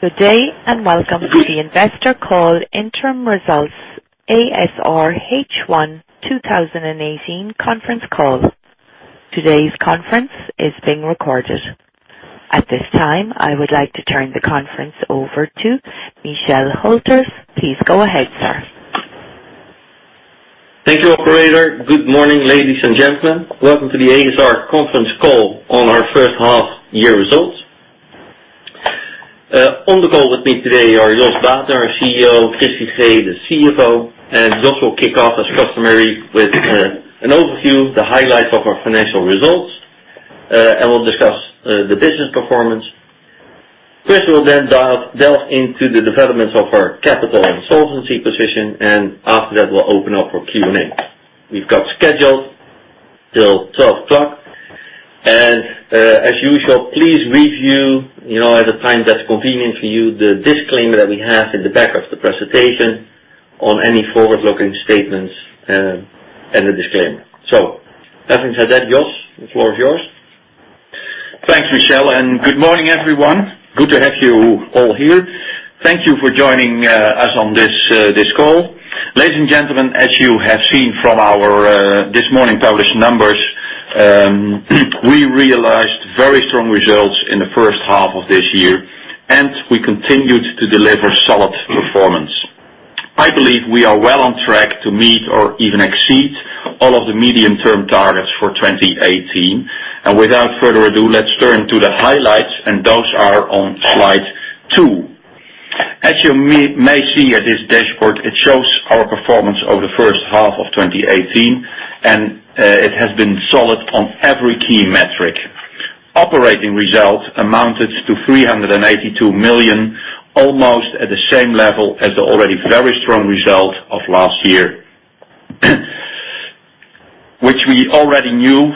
Good day and welcome to the investor call interim results ASR H1 2018 conference call. Today's conference is being recorded. At this time, I would like to turn the conference over to Michel Hülters. Please go ahead, sir. Thank you, operator. Good morning, ladies and gentlemen. Welcome to the ASR conference call on our first half year results. On the call with me today are Jos Baeten, our CEO, Chris Figee, the CFO. Jos will kick off as customary with an overview of the highlights of our financial results, and we'll discuss the business performance. Chris will then delve into the developments of our capital and solvency position. After that, we'll open up for Q&A. We've got scheduled till 12 o'clock. As usual, please review at the time that's convenient for you the disclaimer that we have in the back of the presentation on any forward-looking statements, and the disclaimer. Having said that, Jos, the floor is yours. Thank you, Michel, and good morning, everyone. Good to have you all here. Thank you for joining us on this call. Ladies and gentlemen, as you have seen from our, this morning published numbers, we realized very strong results in the first half of this year. We continued to deliver solid performance. I believe we are well on track to meet or even exceed all of the medium-term targets for 2018. Without further ado, let's turn to the highlights. Those are on slide two. As you may see at this dashboard, it shows our performance over the first half of 2018. It has been solid on every key metric. Operating results amounted to 382 million, almost at the same level as the already very strong result of last year, which we already knew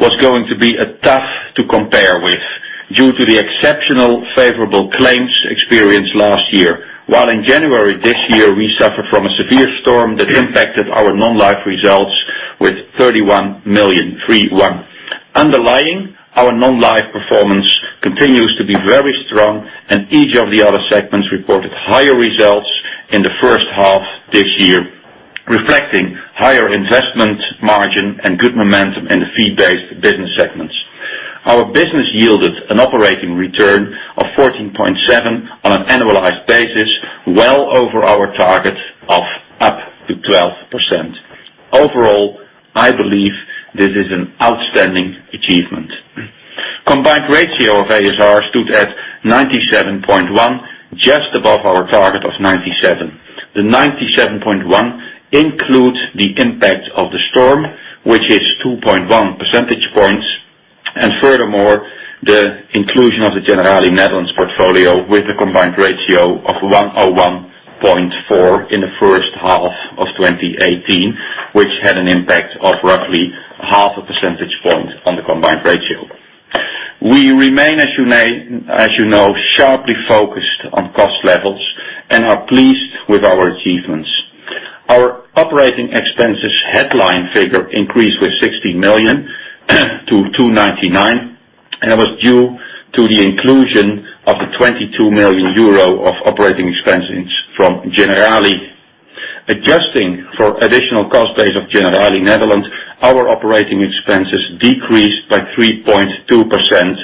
was going to be tough to compare with due to the exceptional favorable claims experience last year. While in January this year, we suffered from a severe storm that impacted our non-life results with 31 million, 31. Underlying our non-life performance continues to be very strong. Each of the other segments reported higher results in the first half this year, reflecting higher investment margin and good momentum in the fee-based business segments. Our business yielded an operating return of 14.7% on an annualized basis, well over our target of up to 12%. Overall, I believe this is an outstanding achievement. Combined Ratio of ASR stood at 97.1%, just above our target of 97%. The 97.1 includes the impact of the storm, which is 2.1 percentage points. Furthermore, the inclusion of the Generali Netherlands portfolio with a Combined Ratio of 101.4 in the first half of 2018, which had an impact of roughly half a percentage point on the Combined Ratio. We remain, as you know, sharply focused on cost levels and are pleased with our achievements. Our operating expenses headline figure increased with 60 million to 299. It was due to the inclusion of the 22 million euro of operating expenses from Generali. Adjusting for additional cost base of Generali Netherlands, our operating expenses decreased by 3.2%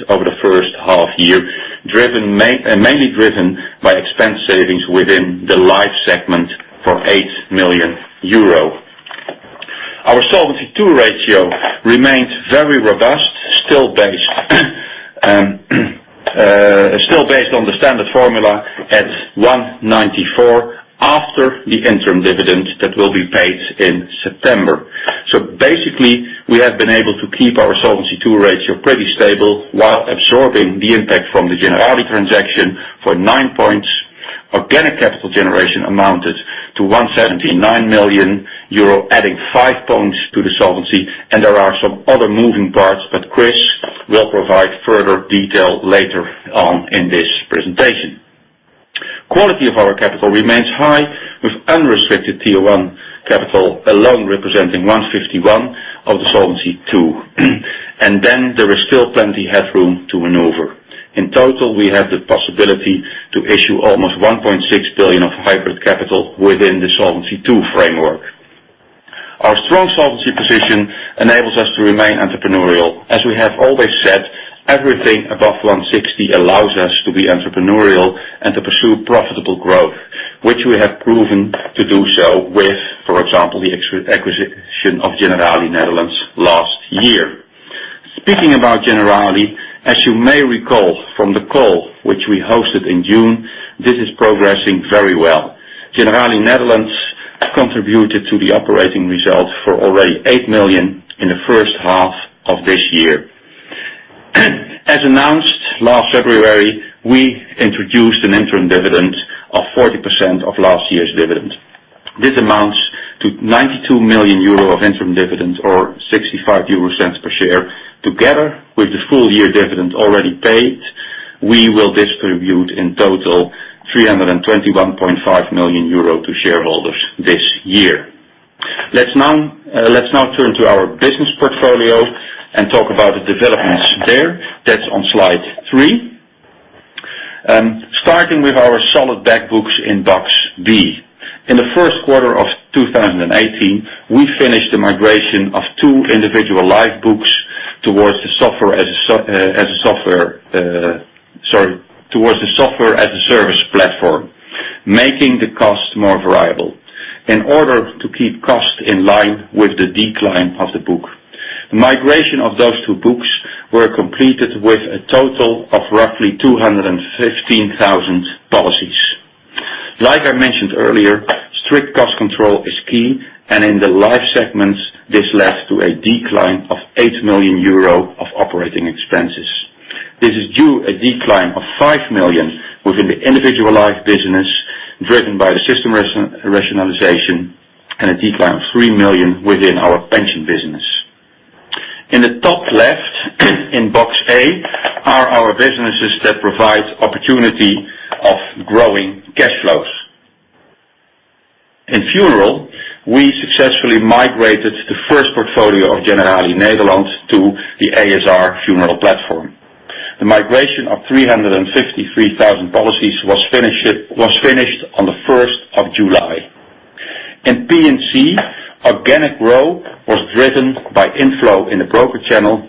over the first half year, mainly driven by expense savings within the life segment for EUR 8 million. Our Solvency II ratio remains very robust, still based on the standard formula at 194 after the interim dividend that will be paid in September. Basically, we have been able to keep our Solvency II ratio pretty stable while absorbing the impact from the Generali transaction for nine points. Organic Capital Generation amounted to 179 million euro, adding five points to the solvency. There are some other moving parts that Chris will provide further detail later on in this presentation. Quality of our capital remains high, with unrestricted Tier 1 capital alone representing 151 of the Solvency II. There is still plenty headroom to maneuver. In total, we have the possibility to issue almost 1.6 billion of hybrid capital within the Solvency II framework. Our strong solvency position enables us to remain entrepreneurial. As we have always said, everything above 160 allows us to be entrepreneurial and to pursue profitable growth, which we have proven to do so with, for example, the acquisition of Generali Netherlands last year. Speaking about Generali, as you may recall from the call which we hosted in June, this is progressing very well. Generali Netherlands contributed to the operating results for already 8 million in the first half of this year. As announced last February, we introduced an interim dividend of 40% of last year's dividend. This amounts to 92 million euro of interim dividends, or 0.65 per share. Together with the full-year dividend already paid, we will distribute in total 321.5 million euro to shareholders this year. Let's now turn to our business portfolio and talk about the developments there. That's on slide three. Starting with our solid back books in box B. In the first quarter of 2018, we finished the migration of two individual life books towards the Software as a Service platform, making the cost more variable in order to keep costs in line with the decline of the book. The migration of those two books were completed with a total of roughly 215,000 policies. Like I mentioned earlier, strict cost control is key. In the life segments, this led to a decline of 8 million euro of operating expenses. This is due a decline of 5 million within the individual life business, driven by the system rationalization. A decline of 3 million within our pension business. In the top left, in box A, are our businesses that provide opportunity of growing cash flows. In funeral, we successfully migrated the first portfolio of Generali Nederland to the ASR Funeral Platform. The migration of 353,000 policies was finished on the 1st of July. In P&C, organic growth was driven by inflow in the broker channel,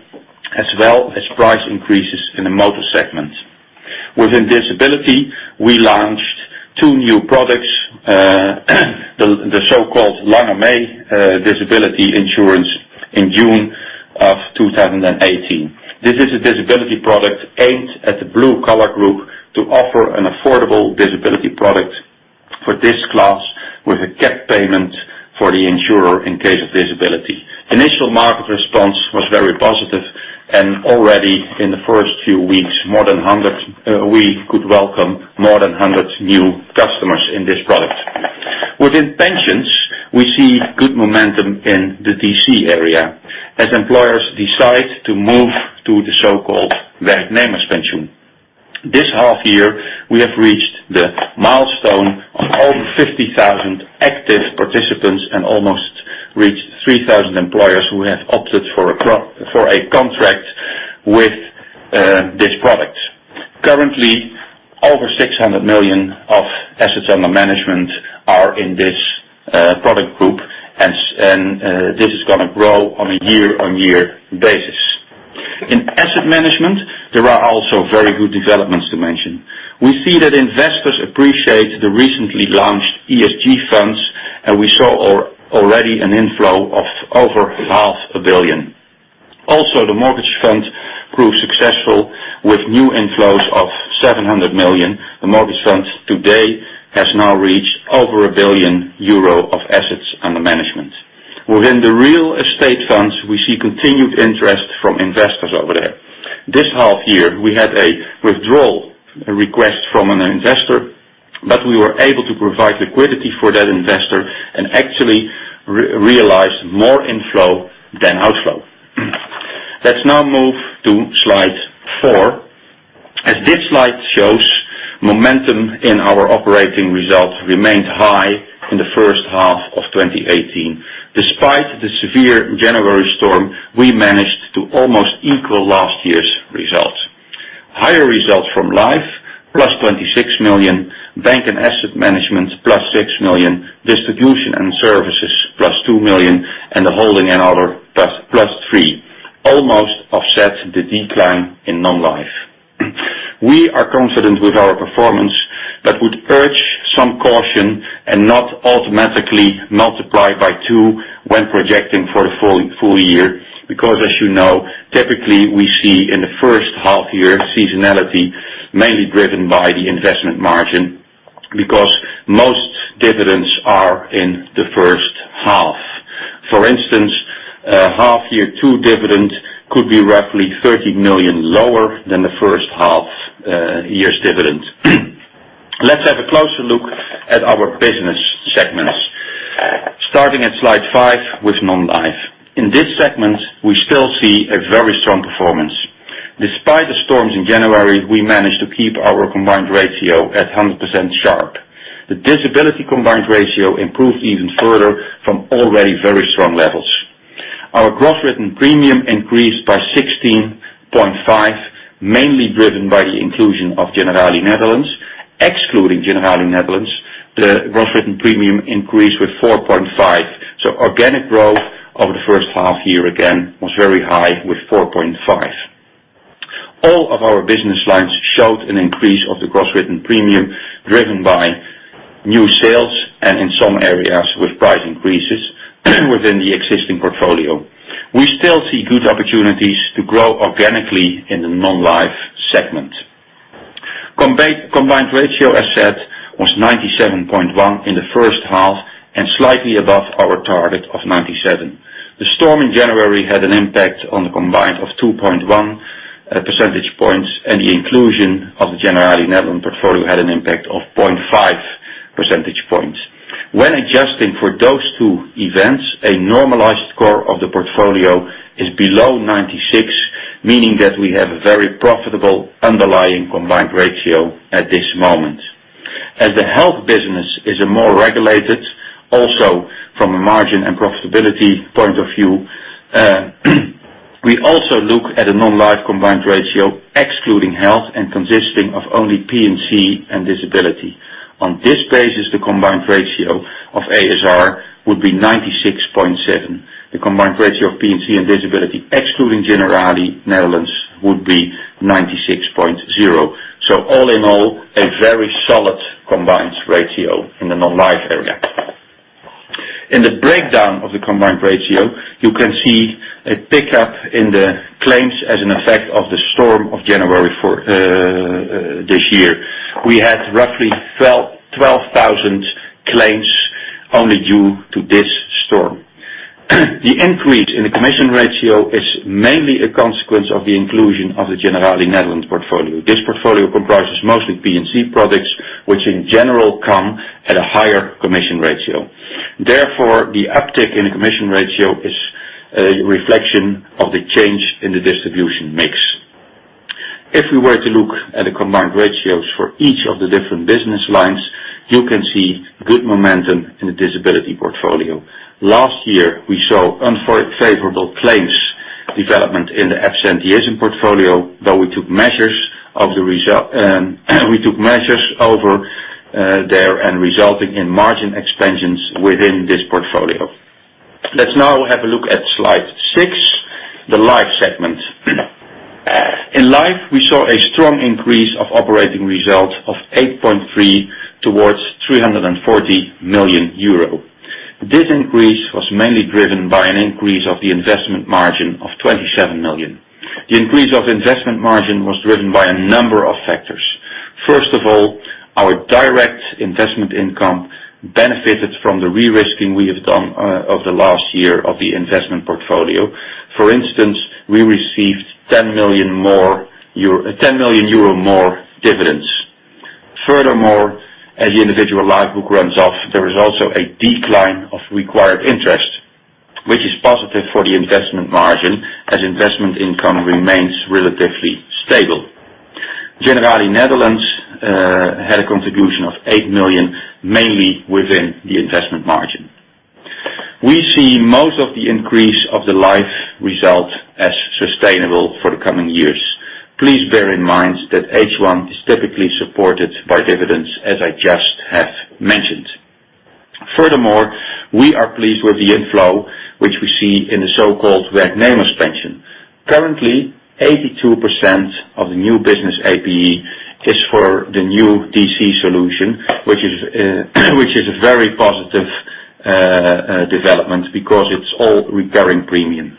as well as price increases in the motor segment. Within disability, we launched two new products, the so-called Flexibele AOV disability insurance in June of 2018. This is a disability product aimed at the blue-collar group to offer an affordable disability product for this class with a cap payment for the insurer in case of disability. Initial market response was very positive, and already in the first few weeks, we could welcome more than 100 new customers in this product. Within pensions, we see good momentum in the DC area as employers decide to move to the so-called Werknemers pension. This half year, we have reached the milestone of over 50,000 active participants and almost reached 3,000 employers who have opted for a contract with this product. Currently, over 600 million of assets under management are in this product group, and this is gonna grow on a year-on-year basis. In asset management, there are also very good developments to mention. We see that investors appreciate the recently launched ESG funds, and we saw already an inflow of over EUR half a billion. Also, the mortgage fund proved successful with new inflows of 700 million. The mortgage fund today has now reached over 1 billion euro of assets under management. Within the real estate funds, we see continued interest from investors over there. This half year, we had a withdrawal request from an investor, but we were able to provide liquidity for that investor and actually realized more inflow than outflow. Let's now move to slide four. As this slide shows, momentum in our operating results remained high in the first half of 2018. Despite the severe January storm, we managed to almost equal last year's result. Higher results from life, plus 26 million, bank and asset management, plus 6 million, distribution and services, plus 2 million, and the holding and other, plus 3, almost offset the decline in non-life. We are confident with our performance, but would urge some caution and not automatically multiply by two when projecting for the full year. As you know, typically, we see in the first half year seasonality mainly driven by the investment margin because most dividends are in the first half. For instance, half year two dividend could be roughly 30 million lower than the first half year's dividend. Let's have a closer look at our business segments. Starting at slide five with non-life. In this segment, we still see a very strong performance. Despite the storms in January, we managed to keep our combined ratio at 100% sharp. The disability combined ratio improved even further from already very strong levels. Our gross written premium increased by 16.5%, mainly driven by the inclusion of Generali Netherlands. Excluding Generali Netherlands, the gross written premium increased with 4.5%. Organic growth over the first half year, again, was very high with 4.5%. All of our business lines showed an increase of the gross written premium driven by new sales and in some areas with price increases within the existing portfolio. We still see good opportunities to grow organically in the non-life segment. Combined ratio, as said, was 97.1% in the first half and slightly above our target of 97%. The storm in January had an impact on the combined of 2.1 percentage points, and the inclusion of the Generali Netherlands portfolio had an impact of 0.5 percentage points. When adjusting for those two events, a normalized score of the portfolio is below 96, meaning that we have a very profitable underlying Combined Ratio at this moment. As the health business is more regulated, also from a margin and profitability point of view, we also look at a non-life Combined Ratio excluding health and consisting of only P&C and disability. On this basis, the Combined Ratio of ASR would be 96.7. The Combined Ratio of P&C and disability, excluding Generali Netherlands, would be 96.0. All in all, a very solid Combined Ratio in the non-life area. In the breakdown of the Combined Ratio, you can see a pickup in the claims as an effect of the storm of January this year. We had roughly 12,000 claims only due to this storm. The increase in the commission ratio is mainly a consequence of the inclusion of the Generali Netherlands portfolio. This portfolio comprises mostly P&C products, which in general come at a higher commission ratio. Therefore, the uptick in the commission ratio is a reflection of the change in the distribution mix. If we were to look at the combined ratios for each of the different business lines, you can see good momentum in the disability portfolio. Last year, we saw unfavorable claims development in the absenteeism portfolio, though we took measures over there and resulting in margin expansions within this portfolio. Let's now have a look at slide six, the life segment. In life, we saw a strong increase of operating results of 8.3 towards 340 million euro. This increase was mainly driven by an increase of the investment margin of 27 million. The increase of investment margin was driven by a number of factors. First of all, our direct investment income benefited from the re-risking we have done over the last year of the investment portfolio. For instance, we received 10 million euro more dividends. Furthermore, as the individual life book runs off, there is also a decline of required interest, which is positive for the investment margin as investment income remains relatively stable. Generali Netherlands had a contribution of 8 million, mainly within the investment margin. We see most of the increase of the life result as sustainable for the coming years. Please bear in mind that H1 is typically supported by dividends, as I just have mentioned. Furthermore, we are pleased with the inflow which we see in the so-called Werknemers pension. Currently, 82% of the new business APE is for the new DC solution, which is a very positive development because it's all recurring premiums.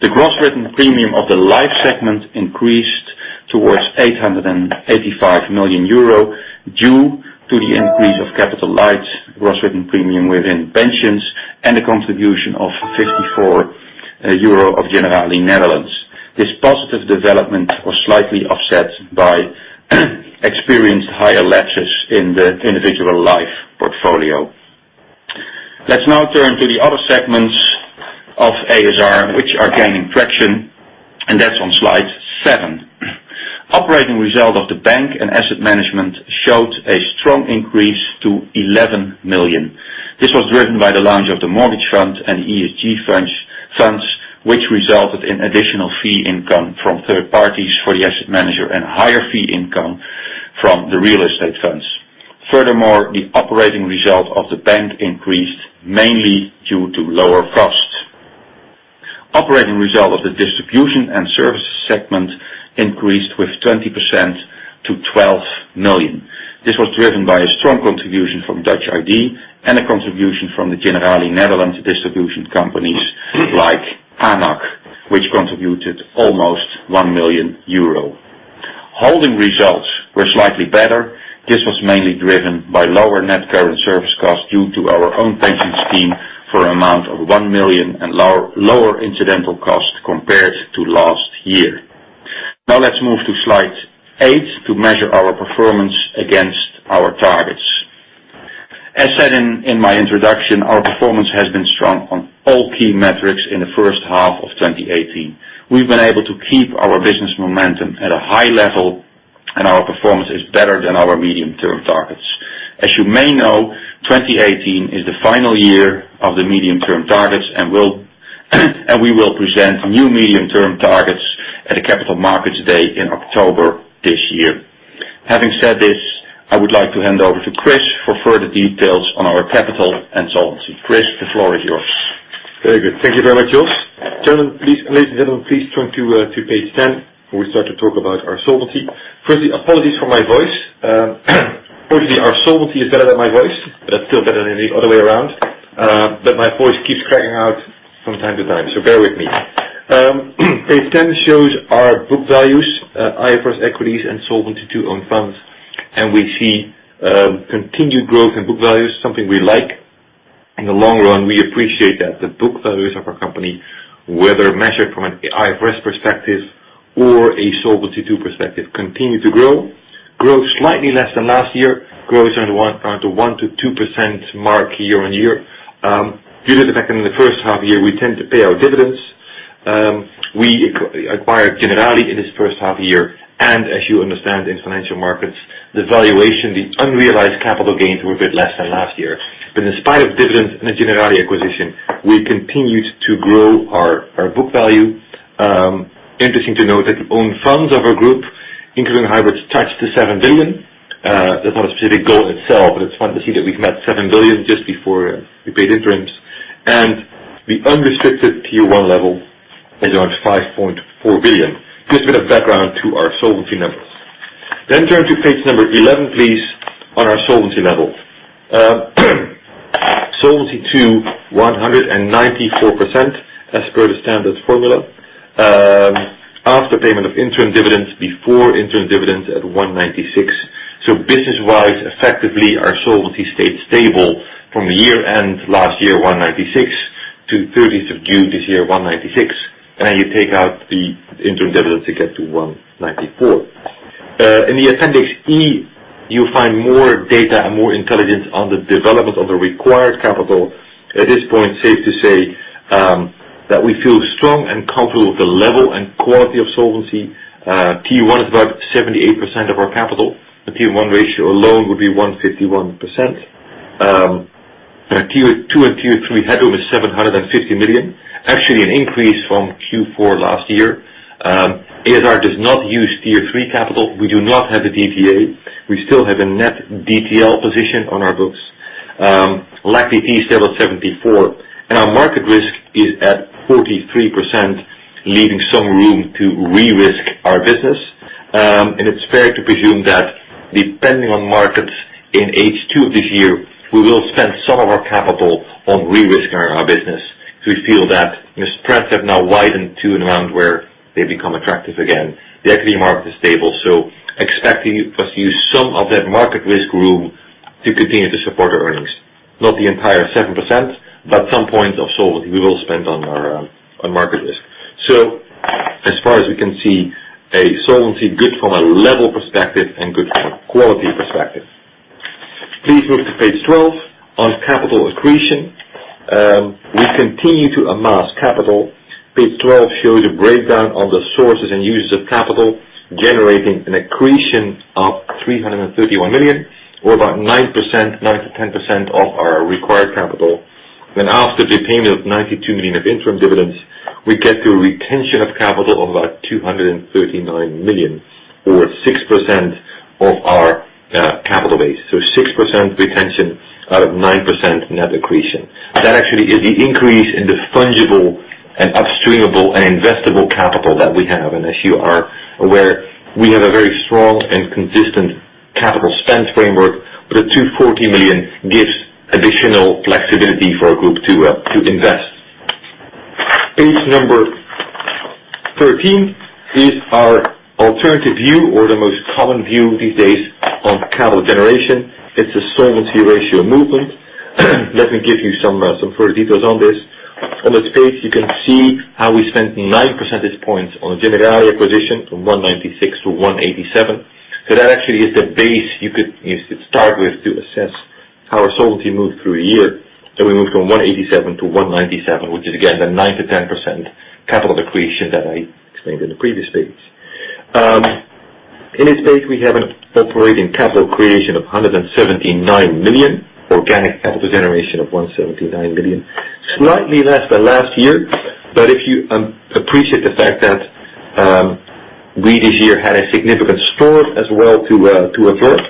The gross written premium of the life segment increased towards 885 million euro due to the increase of capital light gross written premium within pensions, and a contribution of 54 euro of Generali Netherlands. This positive development was slightly offset by experienced higher lapses in the individual life portfolio. Let's now turn to the other segments of ASR which are gaining traction, and that's on slide seven. Operating result of the bank and asset management showed a strong increase to 11 million. This was driven by the launch of the mortgage fund and ESG funds, which resulted in additional fee income from third parties for the asset manager and higher fee income from the real estate funds. Furthermore, the operating result of the bank increased mainly due to lower costs. Operating result of the distribution and services segment increased with 20% to 12 million. This was driven by a strong contribution from Dutch ID and a contribution from the Generali Netherlands distribution companies like ANAC, which contributed almost 1 million euro. Holding results were slightly better. This was mainly driven by lower net current service cost due to our own pensions scheme for an amount of 1 million and lower incidental cost compared to last year. Let's move to slide eight to measure our performance against our targets. As said in my introduction, our performance has been strong on all key metrics in the first half of 2018. We've been able to keep our business momentum at a high level, and our performance is better than our medium-term targets. As you may know, 2018 is the final year of the medium-term targets, and we will present new medium-term targets at the Capital Markets Day in October this year. Having said this, I would like to hand over to Chris for further details on our capital and solvency. Chris, the floor is yours. Very good. Thank you very much, Jos. Ladies and gentlemen, please turn to page 10 before we start to talk about our solvency. Firstly, apologies for my voice. Fortunately, our solvency is better than my voice, but it's still better than the other way around. My voice keeps cracking out from time to time, so bear with me. Page 10 shows our book values, IFRS equities and Solvency II own funds, and we see continued growth in book values, something we like. In the long run, we appreciate that the book values of our company, whether measured from an IFRS perspective or a Solvency II perspective, continue to grow. Grow slightly less than last year, grow around 1% to 2% mark year-on-year. Due to the fact that in the first half year, we tend to pay our dividends. We acquired Generali in this first half year, and as you understand, in financial markets, the valuation, the unrealized capital gains were a bit less than last year. In spite of dividends and the Generali acquisition, we continued to grow our book value. Interesting to note that own funds of our group, including hybrids, touched to 7 billion. That's not a specific goal in itself, but it's fun to see that we've met 7 billion just before we paid interim. The unrestricted Q1 level is around 5.4 billion. Good bit of background to our solvency numbers. Turn to page number 11, please, on our solvency levels. Solvency II, 194% as per the standard formula. After payment of interim dividends, before interim dividends at 196%. Business-wise, effectively, our solvency stayed stable from the year-end last year, 196%, to the 30th of June this year, 196%. You take out the interim dividend to get to 194%. In the Appendix E, you will find more data and more intelligence on the development of the required capital. At this point, it is safe to say that we feel strong and comfortable with the level and quality of solvency. Tier 1 is about 78% of our capital. The Tier 1 ratio alone would be 151%. Tier 2 and Tier 3 head over 750 million. An increase from Q4 last year. ASR does not use Tier 3 capital. We do not have the DVA. We still have a net DTL position on our books. LAC DT is still at 74%. Our market risk is at 43%, leaving some room to re-risk our business. It is fair to presume that depending on markets in H2 of this year, we will spend some of our capital on re-risking our business. We feel that risk spreads have now widened to and around where they become attractive again. The equity market is stable, expecting us to use some of that market risk room to continue to support our earnings. Not the entire 7%, some point of solvency we will spend on market risk. As far as we can see, a solvency good from a level perspective and good from a quality perspective. Please move to Page 12 on capital accretion. We continue to amass capital. Page 12 shows a breakdown of the sources and uses of capital, generating an accretion of 331 million, or about 9%, 9%-10% of our required capital. After the payment of 92 million of interim dividends, we get to a retention of capital of about 239 million, or 6% of our capital base. 6% retention out of 9% net accretion. That is the increase in the fungible and upstreamable and investable capital that we have, as you are aware, we have a very strong and consistent capital spend framework, but the EUR 240 million gives additional flexibility for our group to invest. Page 13 is our alternative view or the most common view these days on capital generation. It is a solvency ratio movement. Let me give you some further details on this. On this page, you can see how we spent nine percentage points on Generali acquisition from 196% to 187%. That is the base you could start with to assess how our solvency moved through a year. We moved from 187% to 197%, which is again, the 9%-10% capital accretion that I explained in the previous Page. On this page, we have an operating capital creation of 179 million, organic capital generation of 179 million. Slightly less than last year, if you appreciate the fact that we this year had a significant storm as well to avert,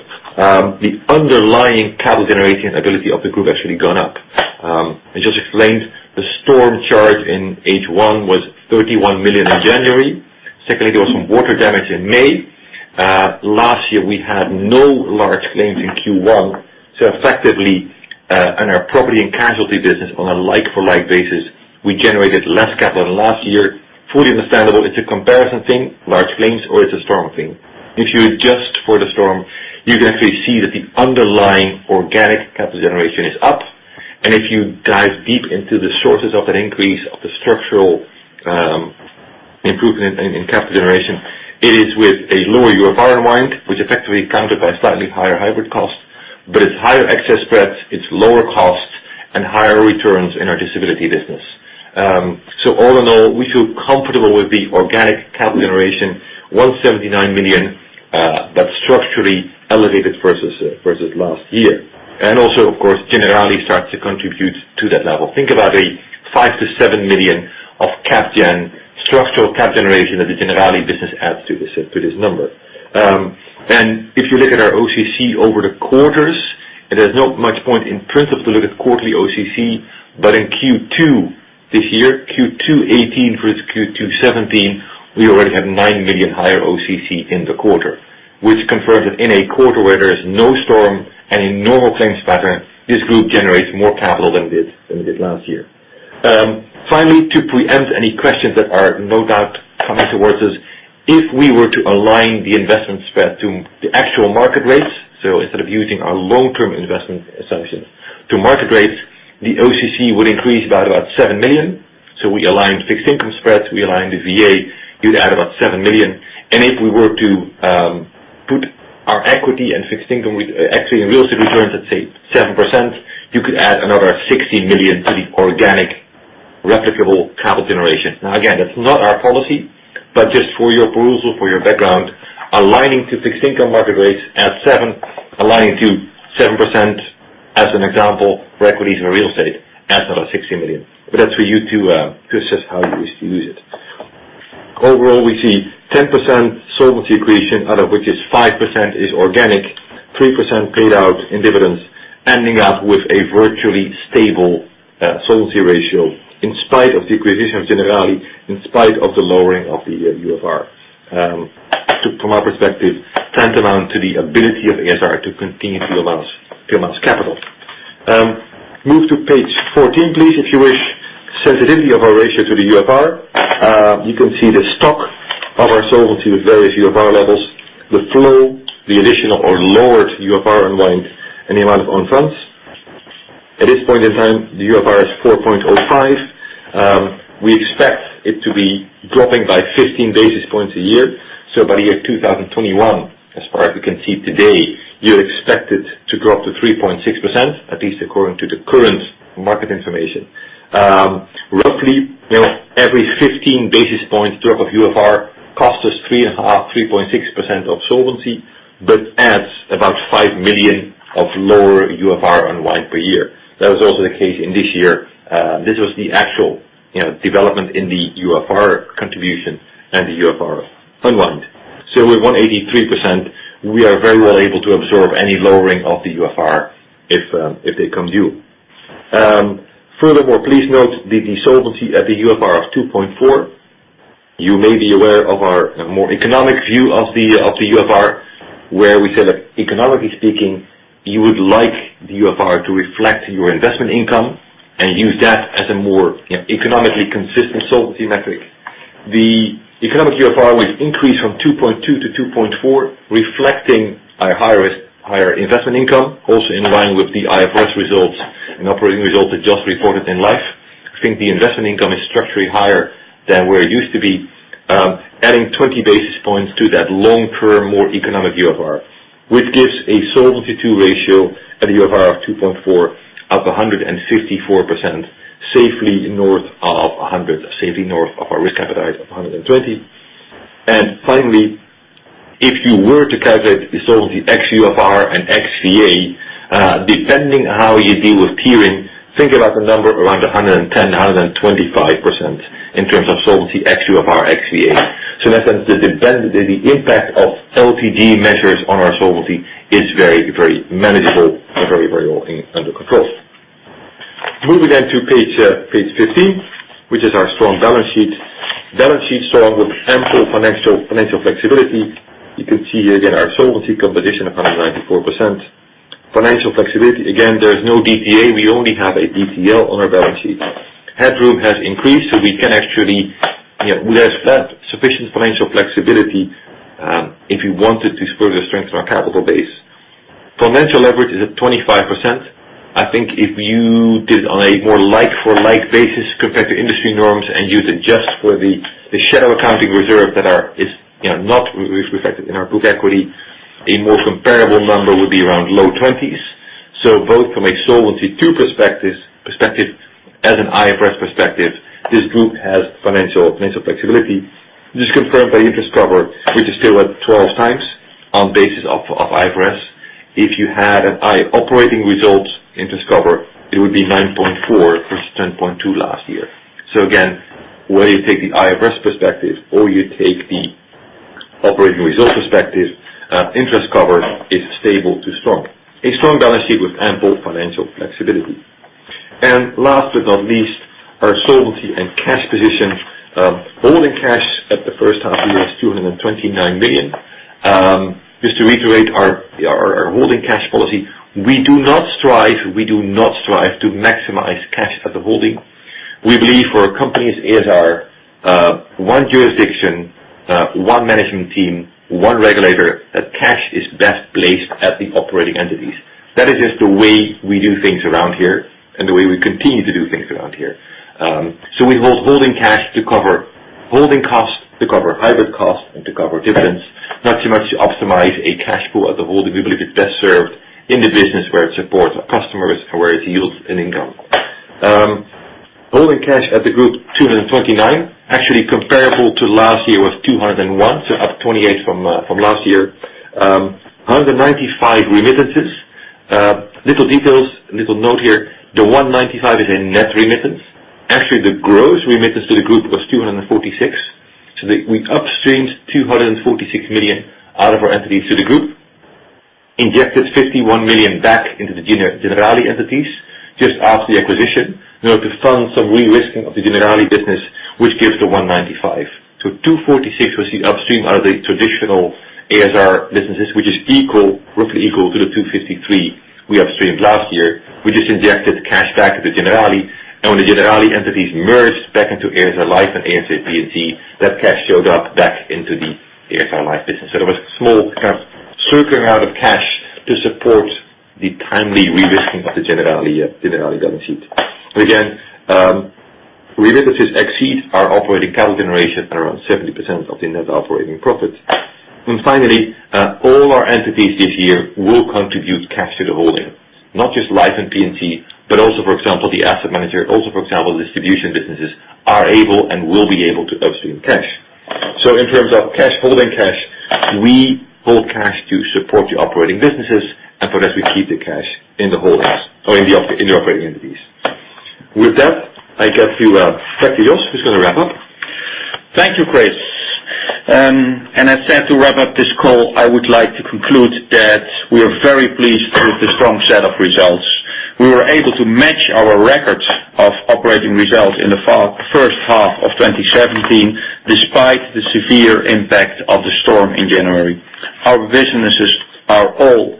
the underlying capital generating ability of the group actually gone up. I just explained the storm charge in H1 was 31 million in January. Secondly, there was some water damage in May. Last year, we had no large claims in Q1, effectively, in our property and casualty business on a like-for-like basis, we generated less capital than last year. Fully understandable. It is a comparison thing, large claims, or it is a storm thing. If you adjust for the storm, you can actually see that the underlying Organic Capital Generation is up. If you dive deep into the sources of that increase of the structural improvement in capital generation, it is with a lower UFR unwind, which effectively is countered by slightly higher hybrid costs. It's higher excess spreads, it's lower costs, and higher returns in our disability business. All in all, we feel comfortable with the Organic Capital Generation, 179 million, but structurally elevated versus last year. Also, of course, Generali starts to contribute to that level. Think about 5 million to 7 million of structural capital generation that the Generali business adds to this number. If you look at our OCC over the quarters, there's not much point in principle to look at quarterly OCC. In Q2 this year, Q2 2018 versus Q2 2017, we already have 9 million higher OCC in the quarter, which confirms that in a quarter where there is no storm and a normal claims pattern, this group generates more capital than it did last year. Finally, to preempt any questions that are no doubt coming towards us, if we were to align the investment spread to the actual market rates, so instead of using our long-term investment assumption to market rates, the OCC would increase by about 7 million. We align fixed income spreads, we align the VA, you'd add about 7 million. If we were to put our equity and fixed income, actually in real estate returns, let's say 7%, you could add another 60 million to the Organic replicable Capital Generation. Again, that's not our policy, just for your perusal, for your background, aligning to fixed income market rates at seven, aligning to 7%, as an example, for equities and real estate adds another 60 million. That's for you to assess how you wish to use it. Overall, we see 10% solvency creation, out of which is 5% is organic, 3% paid out in dividends, ending up with a virtually stable solvency ratio in spite of the acquisition of Generali, in spite of the lowering of the UFR. From our perspective, tantamount to the ability of ASR to continue to finance capital. Move to page 14, please, if you wish. Sensitivity of our ratio to the UFR. You can see the stock of our solvency at various UFR levels, the flow, the additional or lowered UFR unwind, and the amount of own funds. At this point in time, the UFR is 4.05%. We expect it to be dropping by 15 basis points a year. By the year 2021, as far as we can see today, you're expected to drop to 3.6%, at least according to the current market information. Roughly, every 15 basis points drop of UFR cost us 3.5%-3.6% of solvency, but adds about 5 million of lower UFR unwind per year. That was also the case in this year. This was the actual development in the UFR contribution and the UFR unwind. With 183%, we are very well able to absorb any lowering of the UFR if they come due. Furthermore, please note the solvency at the UFR of 2.4%. You may be aware of our more economic view of the UFR, where we said that economically speaking, you would like the UFR to reflect your investment income and use that as a more economically consistent solvency metric. The economic UFR, which increased from 2.2 to 2.4, reflecting a higher investment income, also in line with the IFRS results and operating results that just reported in Life. I think the investment income is structurally higher than where it used to be, adding 20 basis points to that long-term, more economic UFR. This gives a Solvency II ratio at a UFR of 2.4 of 154%, safely north of 100, safely north of our risk appetite of 120. Finally, if you were to calculate the solvency ex UFR and ex CA, depending how you deal with peering, think about a number around 110, 125% in terms of solvency ex UFR, ex CA. In that sense, the impact of LGD measures on our solvency is very, very manageable and very well under control. Moving to page 15, which is our strong balance sheet. Balance sheet strong with ample financial flexibility. You can see here again, our solvency composition of 194%. Financial flexibility, again, there is no DPA. We only have a DPL on our balance sheet. Headroom has increased, so we can actually, there is sufficient financial flexibility, if we wanted to further strengthen our capital base. Financial leverage is at 25%. I think if you did on a more like for like basis compared to industry norms and used it just for the shadow accounting reserve that is not reflected in our book equity, a more comparable number would be around low twenties. Both from a Solvency II perspective, as an IFRS perspective, this group has financial flexibility. This is confirmed by interest cover, which is still at 12 times on basis of IFRS. If you had an operating result interest cover, it would be 9.4 versus 10.2 last year. Again, whether you take the IFRS perspective or you take the operating result perspective, interest cover is stable to strong. A strong balance sheet with ample financial flexibility. Last but not least, our solvency and cash position. Holding cash at the first half year is 229 million. Just to reiterate our holding cash policy, we do not strive to maximize cash as a holding. We believe for our company as ASR, one jurisdiction, one management team, one regulator, that cash is best placed at the operating entities. That is just the way we do things around here and the way we continue to do things around here. We hold holding cash to cover holding costs, to cover hybrid costs, and to cover dividends. Not too much to optimize a cash pool as a whole. We believe it's best served in the business where it supports our customers and where it yields an income. Holding cash at the group 229, actually comparable to last year was 201, up 28 from last year. 195 remittances. Little details, little note here, the 195 is a net remittance. Actually, the gross remittance to the group was 246. We upstreamed 246 million out of our entities to the group, injected 51 million back into the Generali entities just after the acquisition. Now to fund some re-risking of the Generali business, which gives the 195 million. 246 million was the upstream out of the traditional ASR businesses, which is roughly equal to the 253 million we upstreamed last year. We just injected cash back into Generali, and when the Generali entities merged back into ASR Life and ASR P&C, that cash showed up back into the ASR Life business. There was a small kind of circling out of cash to support the timely re-risking of the Generali balance sheet. Again, reinvestments exceed our operating capital generation at around 70% of the net operating profit. Finally, all our entities this year will contribute cash to the holding, not just life and P&C but also, for example, the asset manager, also, for example, distribution businesses are able and will be able to upstream cash. In terms of cash, holding cash, we hold cash to support the operating businesses and for the rest we keep the cash in the operating entities. With that, I get to Jos who's going to wrap up. Thank you, Chris. As said, to wrap up this call, I would like to conclude that we are very pleased with the strong set of results. We were able to match our records of operating results in the first half of 2017, despite the severe impact of the storm in January. Our businesses are all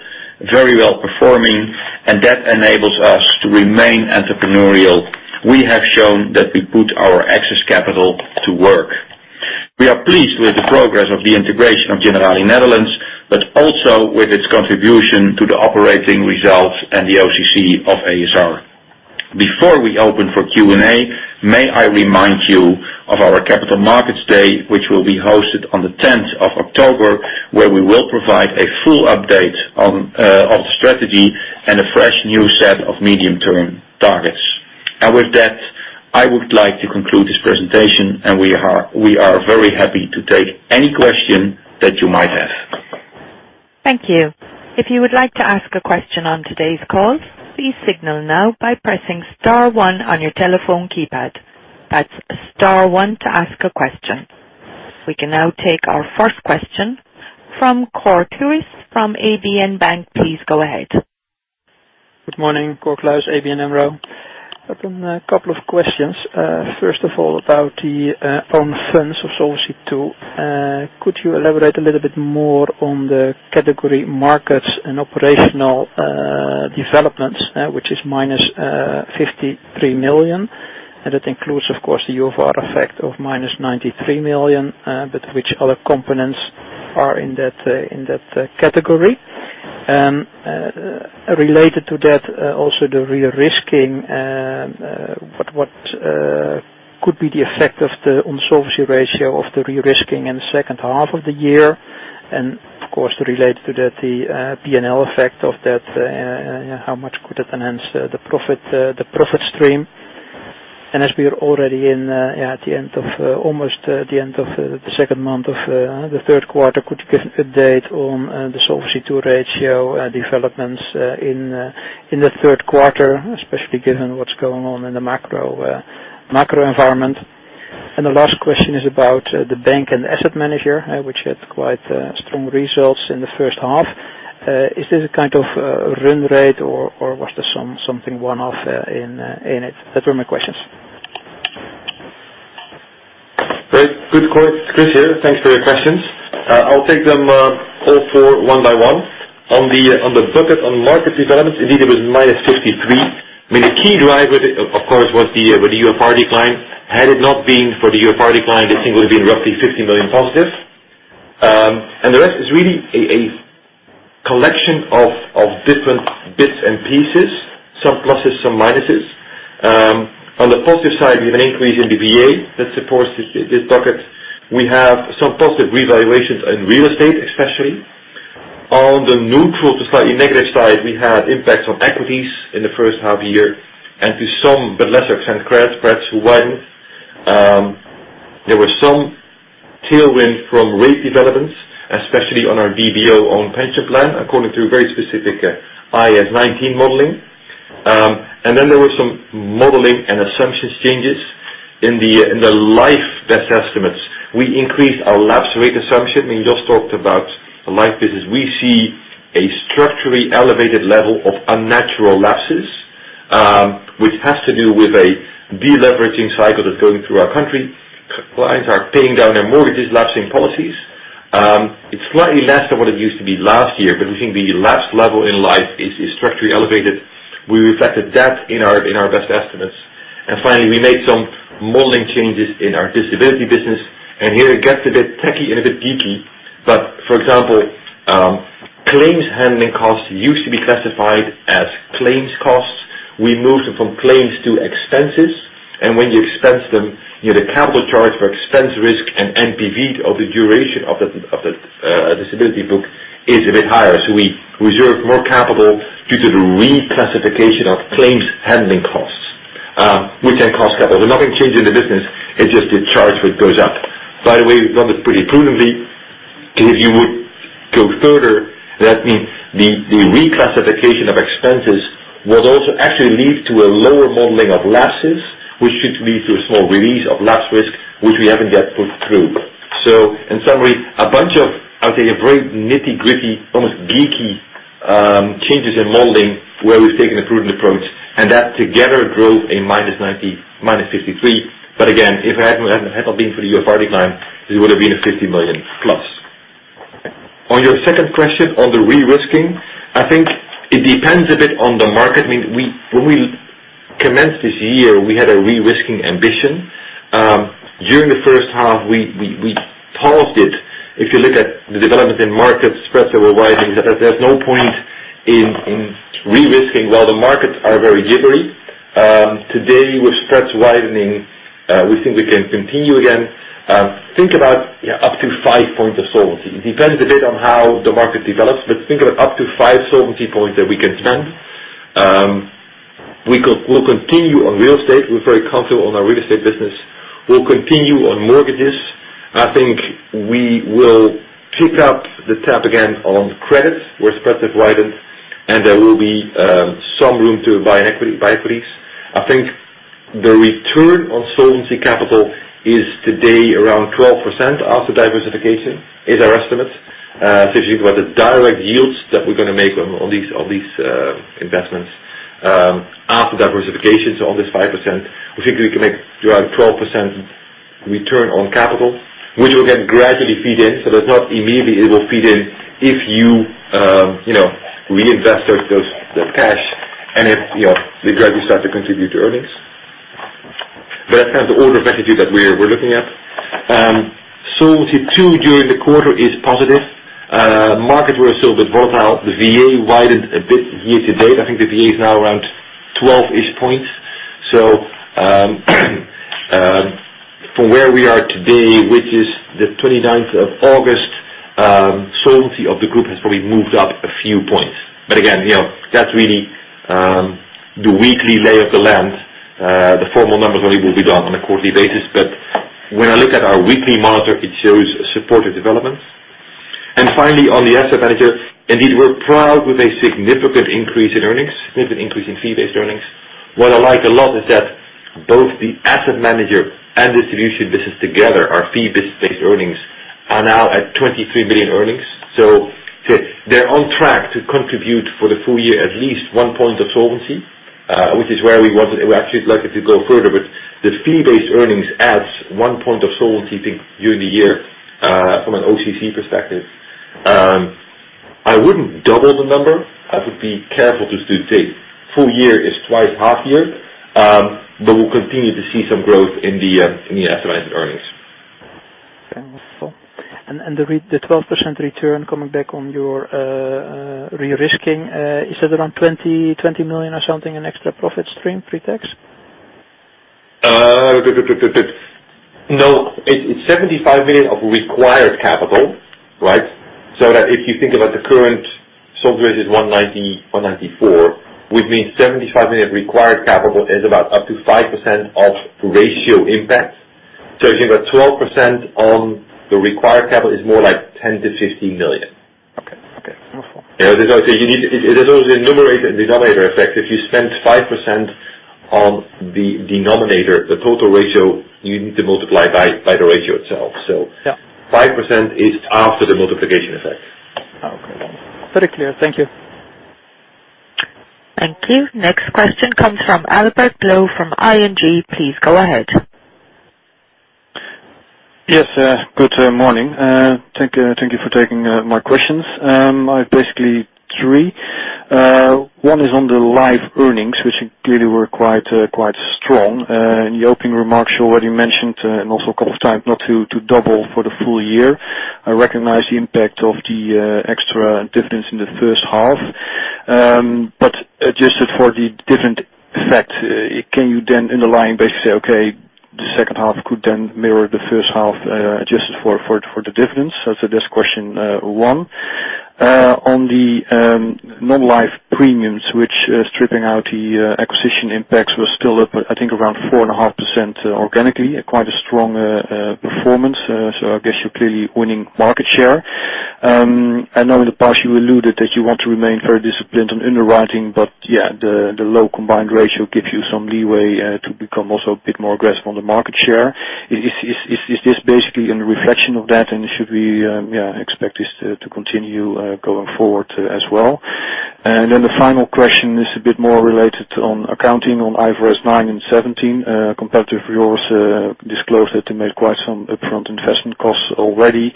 very well-performing, and that enables us to remain entrepreneurial. We have shown that we put our excess capital to work. We are pleased with the progress of the integration of Generali Netherlands, but also with its contribution to the operating results and the OCC of ASR. Before we open for Q&A, may I remind you of our Capital Markets Day, which will be hosted on the 10th of October, where we will provide a full update on the strategy and a fresh new set of medium-term targets. With that, I would like to conclude this presentation, and we are very happy to take any question that you might have. Thank you. If you would like to ask a question on today's call, please signal now by pressing star one on your telephone keypad. That's star one to ask a question. We can now take our first question from Cor Kluis from ABN AMRO. Please go ahead. Good morning, Cor Kluis, ABN AMRO. I have a couple of questions. First of all, about the own funds of Solvency II. Could you elaborate a little bit more on the category markets and operational developments, which is minus 53 million, and that includes, of course, the UFR effect of minus 93 million, but which other components are in that category? Related to that, also the de-risking. What could be the effect on solvency ratio of the de-risking in the second half of the year? Of course, related to that, the P&L effect of that, how much could it enhance the profit stream? As we are already almost at the end of the second month of the third quarter, could you give an update on the Solvency II ratio developments in the third quarter, especially given what's going on in the macro environment? The last question is about the bank and the asset manager, which had quite strong results in the first half. Is this a kind of run rate or was this something one-off in it? That were my questions. Great. Good, Cor. It's Chris here. Thanks for your questions. I'll take them all four one by one. On the bucket on market developments, indeed, it was minus 53. I mean, the key driver, of course, was the UFR decline. Had it not been for the UFR decline, this thing would have been roughly 50 million positive. The rest is really a collection of different bits and pieces. Some pluses, some minuses. On the positive side, we have an increase in the VA that supports this bucket. We have some positive revaluations in real estate, especially. On the neutral to slightly negative side, we had impacts on equities in the first half year, and to some, but lesser extent, credit spreads widened. There were some tailwind from rate developments, especially on our DBO own pension plan, according to very specific IAS 19 modeling. There were some modeling and assumptions changes in the life best estimates. We increased our lapse rate assumption. Jos talked about the life business. We see a structurally elevated level of unnatural lapses, which has to do with a de-leveraging cycle that's going through our country. Clients are paying down their mortgages, lapsing policies. It's slightly less than what it used to be last year, but we think the lapse level in life is structurally elevated. We reflected that in our best estimates. Finally, we made some modeling changes in our disability business, and here it gets a bit techy and a bit geeky, but for example, claims handling costs used to be classified as claims costs. We moved them from claims to expenses, and when you expense them, the capital charge for expense risk and NPV of the duration of the disability book is a bit higher. We reserve more capital due to the reclassification of claims handling costs, which then costs capital. There's nothing changing the business, it's just the charge that goes up. By the way, we've done this pretty prudently. If you would go further, that means the reclassification of expenses would also actually lead to a lower modeling of lapses, which should lead to a small release of lapse risk, which we haven't yet put through. In summary, a bunch of, I would say, very nitty-gritty, almost geeky changes in modeling where we've taken a prudent approach, and that together drove a minus 53. Again, if it had not been for the UFR decline, it would have been a 50 million plus. On your second question on the de-risking, I think it depends a bit on the market. When we commenced this year, we had a de-risking ambition. During the first half, we paused it. If you look at the developments in markets, spreads that were widening, there's no point in re-risking while the markets are very jittery. Today with spreads widening, we think we can continue again. Think about up to five points of solvency. It depends a bit on how the market develops, but think of it up to five solvency points that we can spend. We'll continue on real estate. We're very comfortable on our real estate business. We'll continue on mortgages. I think we will pick up the tap again on credits where spreads have widened, and there will be some room to buy equities. I think the return on solvency capital is today around 12% after diversification, is our estimate. If you think about the direct yields that we're going to make on all these investments after diversification, so on this 5%, we think we can make around 12% return on capital, which will then gradually feed in. That not immediately it will feed in if you reinvest those cash and it gradually start to contribute to earnings. That's the order of magnitude that we're looking at. Solvency II during the quarter is positive. Markets were still a bit volatile. The VA widened a bit year-to-date. I think the VA is now around 12-ish points. From where we are today, which is the 29th of August, solvency of the group has probably moved up a few points. Again, that's really the weekly lay of the land. The formal numbers only will be done on a quarterly basis, but when I look at our weekly monitor, it shows supportive developments. Finally, on the asset manager, indeed, we're proud with a significant increase in earnings, significant increase in fee-based earnings. What I like a lot is that both the asset manager and distribution business together, our fee-based earnings are now at 23 million earnings. They're on track to contribute for the full year, at least one point of solvency, which is where we wanted. We actually like it to go further, but this fee-based earnings adds one point of solvency during the year, from an OCC perspective. I wouldn't double the number. I would be careful to take full year is twice half year, but we'll continue to see some growth in the asset management earnings. Okay. The 12% return coming back on your re-risking, is that around 20 million or something in extra profit stream pre-tax? No. It's 75 million of required capital, right? If you think about the current solvency is 194, which means 75 million required capital is about up to 5% of ratio impact. If you've got 12% on the required capital is more like 10 million-15 million. Okay. You need, there is always a numerator and denominator effect. If you spend 5% on the denominator, the total ratio, you need to multiply by the ratio itself. Yeah. 5% is after the multiplication effect. Okay. Very clear. Thank you. Thank you. Next question comes from Albert Lo from ING. Please go ahead. Yes. Good morning. Thank you for taking my questions. I have basically three. One is on the life earnings, which clearly were quite strong. In the opening remarks, you already mentioned, and also a couple of times, not to double for the full year. I recognize the impact of the extra dividends in the first half. Adjusted for the different effects, can you then in the line basically say, okay, the second half could then mirror the first half, adjusted for the dividends? That is question one. On the non-life premiums, which is stripping out the acquisition impacts, was still up, I think around 4.5% organically, quite a strong performance. I guess you are clearly winning market share. I know in the past you alluded that you want to remain very disciplined on underwriting, but yeah, the low Combined Ratio gives you some leeway to become also a bit more aggressive on the market share. Is this basically a reflection of that and should we expect this to continue going forward as well? The final question is a bit more related on accounting on IFRS 9 and IFRS 17 compared to what you disclosed that you made quite some upfront investment costs already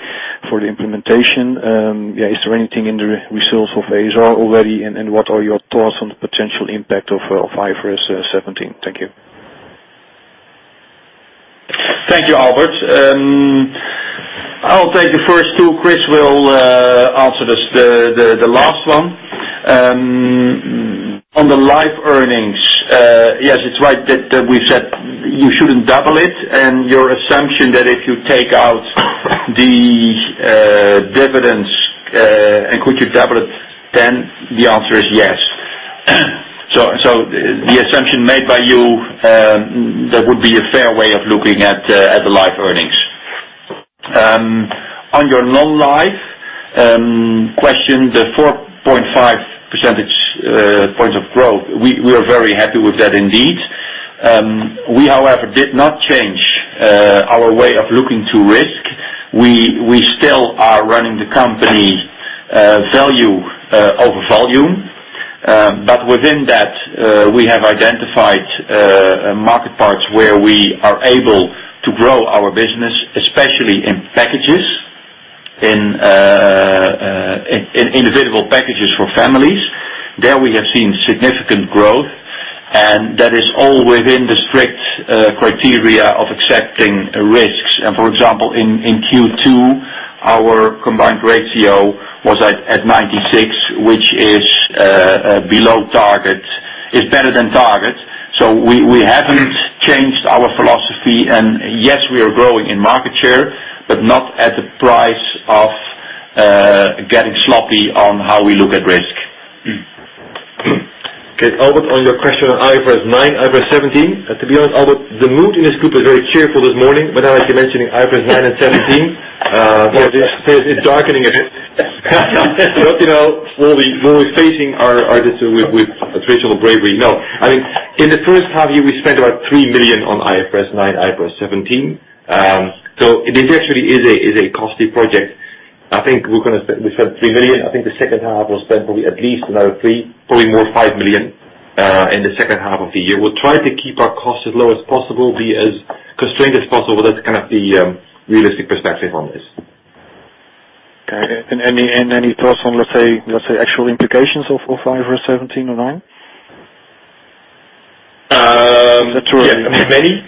for the implementation. Is there anything in the results of ASR already? What are your thoughts on the potential impact of IFRS 17? Thank you. Thank you, Albert. I will take the first two. Chris will answer the last one. On the life earnings, yes, it is right that we said you should not double it, and your assumption that if you take out the dividends, and could you double it then, the answer is yes. The assumption made by you, that would be a fair way of looking at the life earnings. On your non-life question, the 4.5 percentage points of growth, we are very happy with that indeed. We, however, did not change our way of looking to risk. We still are running the company value over volume. Within that, we have identified market parts where we are able to grow our business, especially in packages In individual packages for families. There we have seen significant growth, and that is all within the strict criteria of accepting risks. For example, in Q2, our Combined Ratio was at 96, which is below target. It is better than target. We have not changed our philosophy, and yes, we are growing in market share, but not at the price of getting sloppy on how we look at risk. Okay. Albert, on your question on IFRS 9, IFRS 17. To be honest, Albert, the mood in this group was very cheerful this morning. Now that you're mentioning IFRS 9 and 17, this is darkening a bit. We'll be facing our destiny with a facial bravery. No. In the first half year, we spent about 3 million on IFRS 9, IFRS 17. It actually is a costly project. I think we spent 3 million. I think the second half we'll spend probably at least another 3 million, probably more, 5 million in the second half of the year. We'll try to keep our costs as low as possible, be as constrained as possible. That's the realistic perspective on this. Okay. Any thoughts on, let's say, actual implications of IFRS 17 or 9? Yes. Many.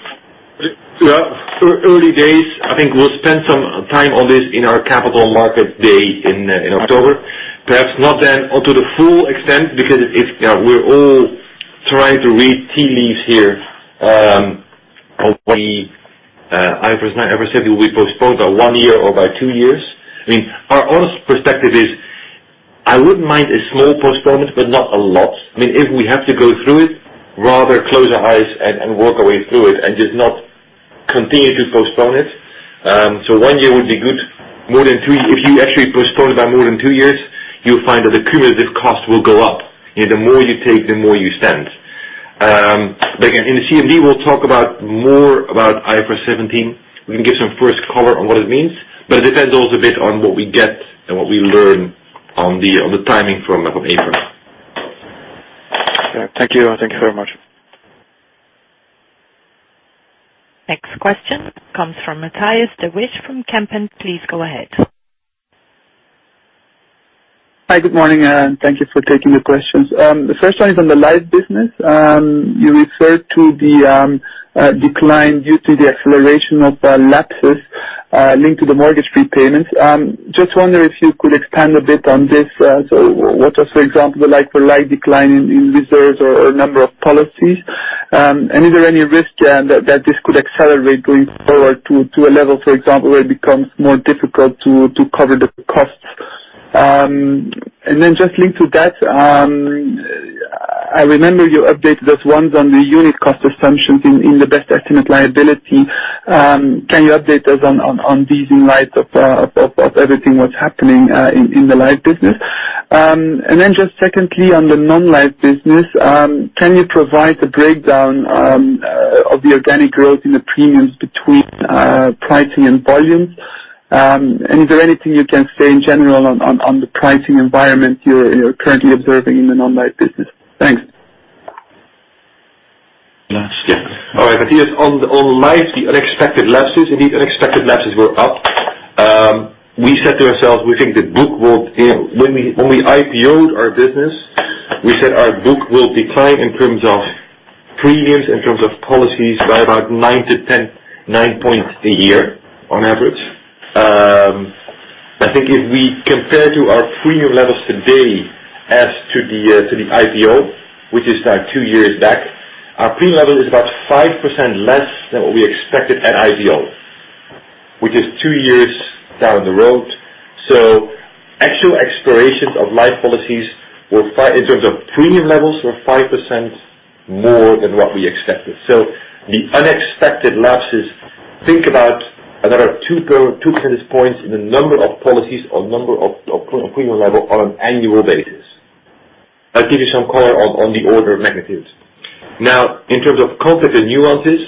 Early days, I think we'll spend some time on this in our Capital Markets Day in October. Perhaps not then or to the full extent, because we're all trying to read tea leaves here. Only IFRS 9, IFRS 17 will be postponed by one year or by two years. Our honest perspective is, I wouldn't mind a small postponement, not a lot. If we have to go through it, rather close our eyes and work our way through it and just not continue to postpone it. One year would be good. More than three. If you actually postpone it by more than two years, you'll find that the cumulative cost will go up. The more you take, the more you spend. Again, in the CMD, we'll talk about more about IFRS 17. We can give some first color on what it means, it depends also a bit on what we get and what we learn on the timing from. Okay. Thank you. Thank you very much. Next question comes from Matthias de Wijs from Kempen. Please go ahead. Hi, good morning, thank you for taking the questions. The first one is on the life business. You referred to the decline due to the acceleration of lapses linked to the mortgage prepayments. Just wonder if you could expand a bit on this. What are, for example, the like-for-like decline in reserves or number of policies? Is there any risk that this could accelerate going forward to a level, for example, where it becomes more difficult to cover the costs? Just linked to that, I remember you updated us once on the unit cost assumptions in the best estimate liability. Can you update us on these in light of everything, what's happening in the life business? Just secondly, on the non-life business, can you provide a breakdown of the organic growth in the premiums between pricing and volumes? Is there anything you can say in general on the pricing environment you're currently observing in the non-life business? Thanks. Yes. All right. Matthias, on life, the unexpected lapses, indeed, unexpected lapses were up. We said to ourselves, when we IPO'd our business, we said our book will decline in terms of premiums, in terms of policies by about nine to 10, nine points a year on average. I think if we compare to our premium levels today as to the IPO, which is now two years back, our premium level is about 5% less than what we expected at IPO, which is two years down the road. Actual expirations of life policies in terms of premium levels, were 5% more than what we expected. The unexpected lapses, think about another two percentage points in the number of policies or number of premium level on an annual basis. I'll give you some color on the order of magnitudes. In terms of competent nuances,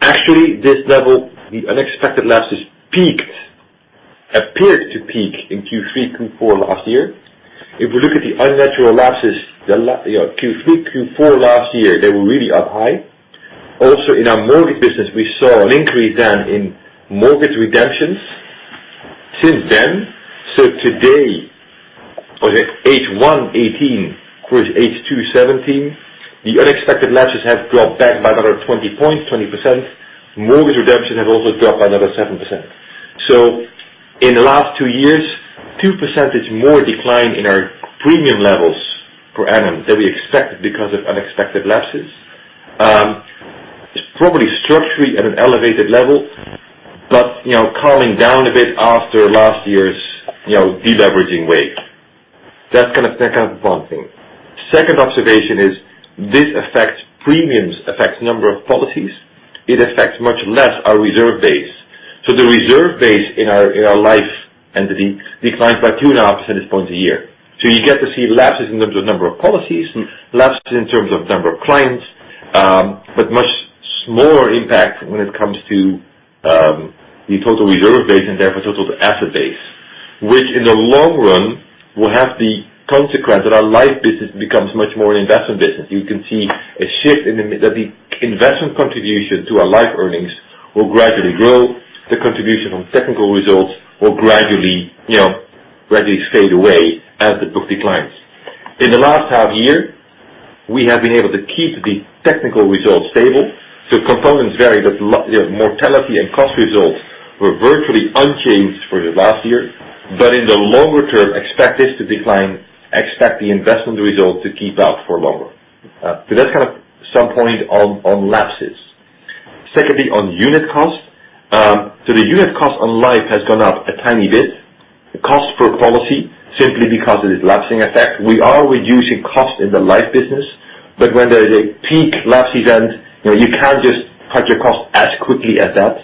actually this level, the unexpected lapses peaked, appeared to peak in Q3, Q4 last year. If we look at the unnatural lapses, Q3, Q4 last year, they were really up high. Also, in our mortgage business, we saw an increase then in mortgage redemptions since then. Today, H1 2018 versus H2 2017, the unexpected lapses have dropped back by another 20 points, 20%. Mortgage redemption has also dropped by another 7%. In the last two years, 2% is more decline in our premium levels per annum than we expected because of unexpected lapses. It's probably structurally at an elevated level, but calming down a bit after last year's de-leveraging wave. That's one thing. Second observation is this affects premiums, affects number of policies. It affects much less our reserve base. The reserve base in our life entity declines by two and a half percentage points a year. You get to see lapses in terms of number of policies, lapses in terms of number of clients, but much smaller impact when it comes to the total reserve base and therefore total asset base. Which in the long run will have the consequence that our life business becomes much more an investment business. You can see a shift in the investment contribution to our life earnings will gradually grow, the contribution from technical results will gradually fade away as the book declines. In the last half year, we have been able to keep the technical results stable. Components vary, but mortality and cost results were virtually unchanged for the last year. In the longer term, expect this to decline, expect the investment result to keep up for longer. That's some point on lapses. Secondly, on unit cost. The unit cost on life has gone up a tiny bit. The cost per policy, simply because of the lapsing effect. We are reducing cost in the life business, but when there is a peak lapse event, you can't just cut your cost as quickly as that.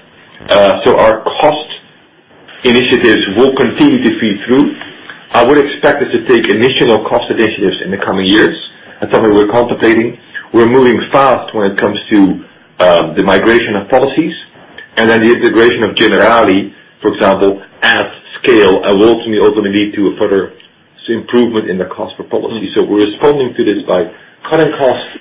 Our cost initiatives will continue to feed through. I would expect us to take additional cost initiatives in the coming years. Some we're contemplating. We're moving fast when it comes to the migration of policies and then the integration of Generali, for example, adds scale and will ultimately lead to a further improvement in the cost per policy. We're responding to this by cutting costs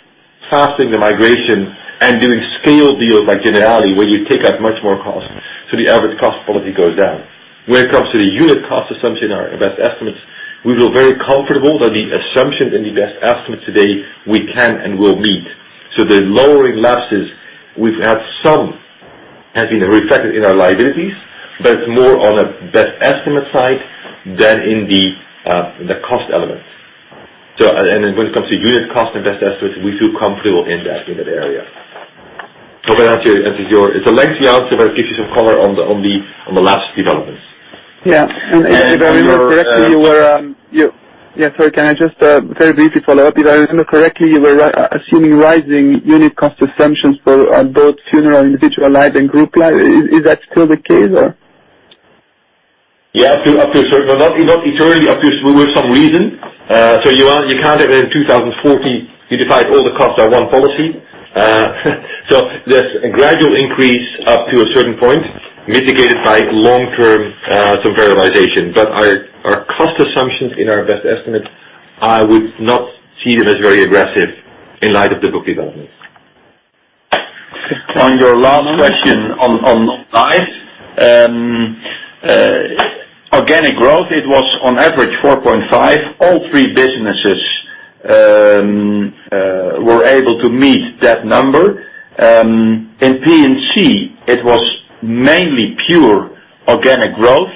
faster into migration, and doing scale deals like Generali, where you take out much more cost, so the average cost policy goes down. When it comes to the unit cost assumption, our best estimates, we feel very comfortable that the assumptions in the best estimate today we can and will meet. The lowering lapses we've had some has been reflected in our liabilities, but it's more on a best estimate side than in the cost element. When it comes to unit cost and best estimates, we feel comfortable in that area. It's a lengthy answer, but it gives you some color on the lapse developments. Yeah. If I remember correctly, you were- On your- Yeah, sorry, can I just very briefly follow up? If I remember correctly, you were assuming rising unit cost assumptions for both funeral, individual life, and group life. Is that still the case, or? Yeah. Up to a certain. Not eternally. Up to with some reason. You can't, in 2040, you divide all the costs on one policy. There's a gradual increase up to a certain point, mitigated by long-term, some variabilization. Our cost assumptions in our best estimate, I would not see them as very aggressive in light of the book developments. On your last question on life. Organic growth, it was on average 4.5. All three businesses were able to meet that number. In P&C, it was mainly pure organic growth.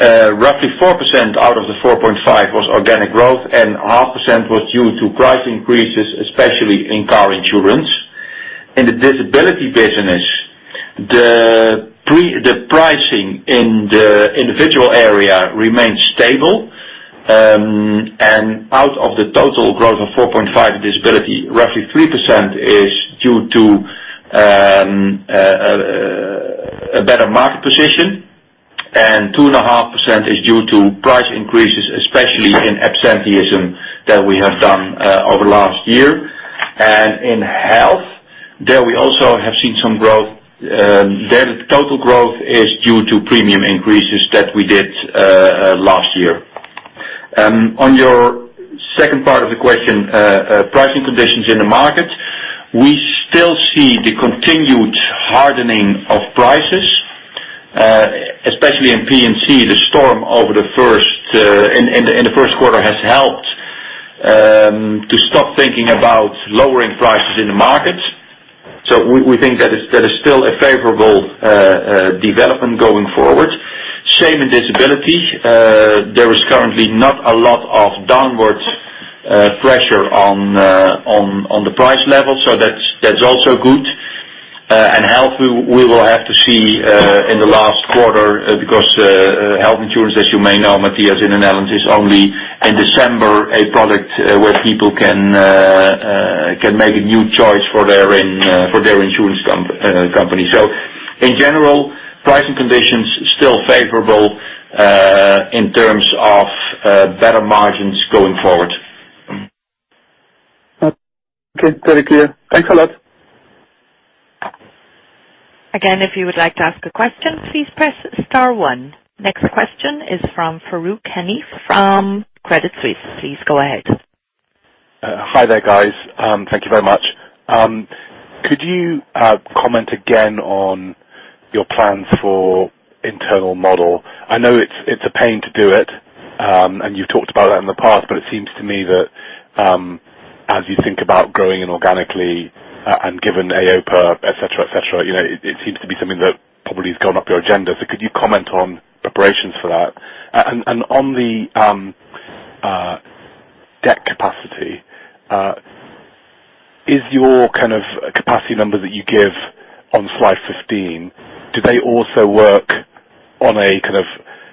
Roughly 4% out of the 4.5 was organic growth, 0.5% was due to price increases, especially in car insurance. In the disability business, the pricing in the individual area remained stable. Out of the total growth of 4.5 disability, roughly 3% is due to a better market position, 2.5% is due to price increases, especially in absenteeism that we have done over last year. In health, there we also have seen some growth. There, the total growth is due to premium increases that we did last year. On your second part of the question, pricing conditions in the market. We still see the continued hardening of prices, especially in P&C. The storm in the first quarter has helped to stop thinking about lowering prices in the market. We think that is still a favorable development going forward. Same in disability. There is currently not a lot of downwards pressure on the price level, that's also good. Health, we will have to see in the last quarter because health insurance, as you may know, Matthias, in Netherlands, is only in December, a product where people can make a new choice for their insurance company. In general, pricing conditions still favorable in terms of better margins going forward. Okay. Very clear. Thanks a lot. Again, if you would like to ask a question, please press star one. Next question is from Farooq Hanif from Credit Suisse. Please go ahead. Hi there, guys. Thank you very much. Could you comment again on your plans for internal model? I know it's a pain to do it, and you've talked about that in the past, but it seems to me that as you think about growing inorganically and given EIOPA et cetera, it seems to be something that probably has gone up your agenda. Could you comment on preparations for that? And on the debt capacity, is your capacity number that you give on slide 15, do they also work on a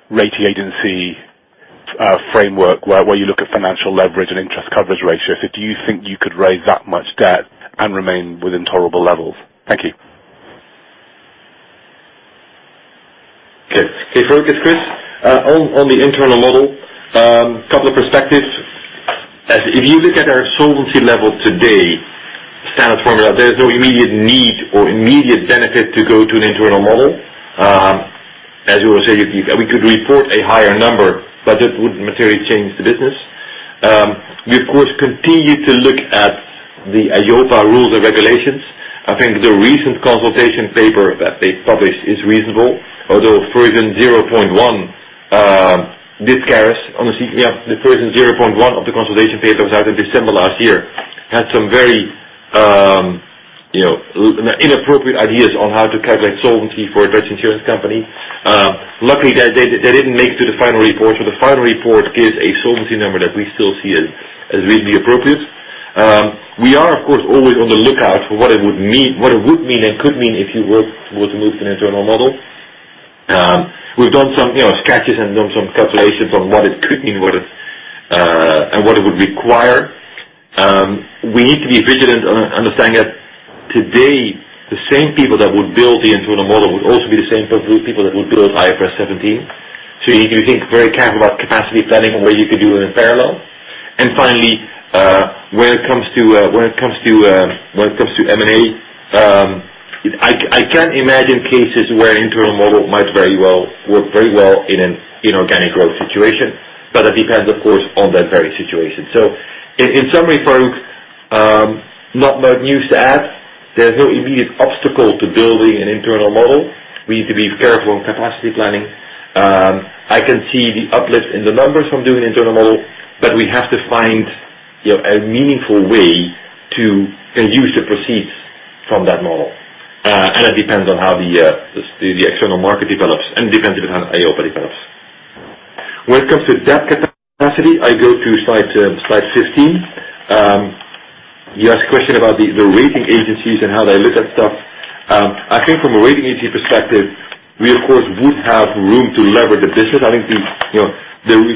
rating agency framework where you look at financial leverage and interest coverage ratio? Do you think you could raise that much debt and remain within tolerable levels? Thank you. Okay. Farooq, it's Chris. On the internal model, couple of perspectives. If you look at our solvency level today, standard formula, there's no immediate need or immediate benefit to go to an internal model. As you will say, we could report a higher number, but it wouldn't materially change the business. We, of course, continue to look at the EIOPA rules and regulations. I think the recent consultation paper that they published is reasonable. Although version 0.1 did scare us, honestly. The version 0.1 of the consultation paper that was out in December last year had some very inappropriate ideas on how to calculate solvency for a Dutch insurance company. Luckily, they didn't make it to the final report. The final report gives a solvency number that we still see as really appropriate. We are, of course, always on the lookout for what it would mean and could mean if you were to move to an internal model. We've done some sketches and done some calculations on what it could mean and what it would require. We need to be vigilant on understanding that today, the same people that would build the internal model would also be the same group of people that would build IFRS 17. You need to think very carefully about capacity planning and where you could do it in parallel. Finally, when it comes to M&A, I can imagine cases where internal model might very well work very well in an inorganic growth situation. That depends, of course, on that very situation. In summary, Farooq, not much news to add. There's no immediate obstacle to building an internal model. We need to be careful on capacity planning. I can see the uplift in the numbers from doing internal model, but we have to find a meaningful way to use the proceeds from that model. That depends on how the external market develops and depends on how EIOPA develops. When it comes to debt capacity, I go to slide 15. You asked a question about the rating agencies and how they look at stuff. I think from a rating agency perspective, we of course, would have room to lever the business. I think the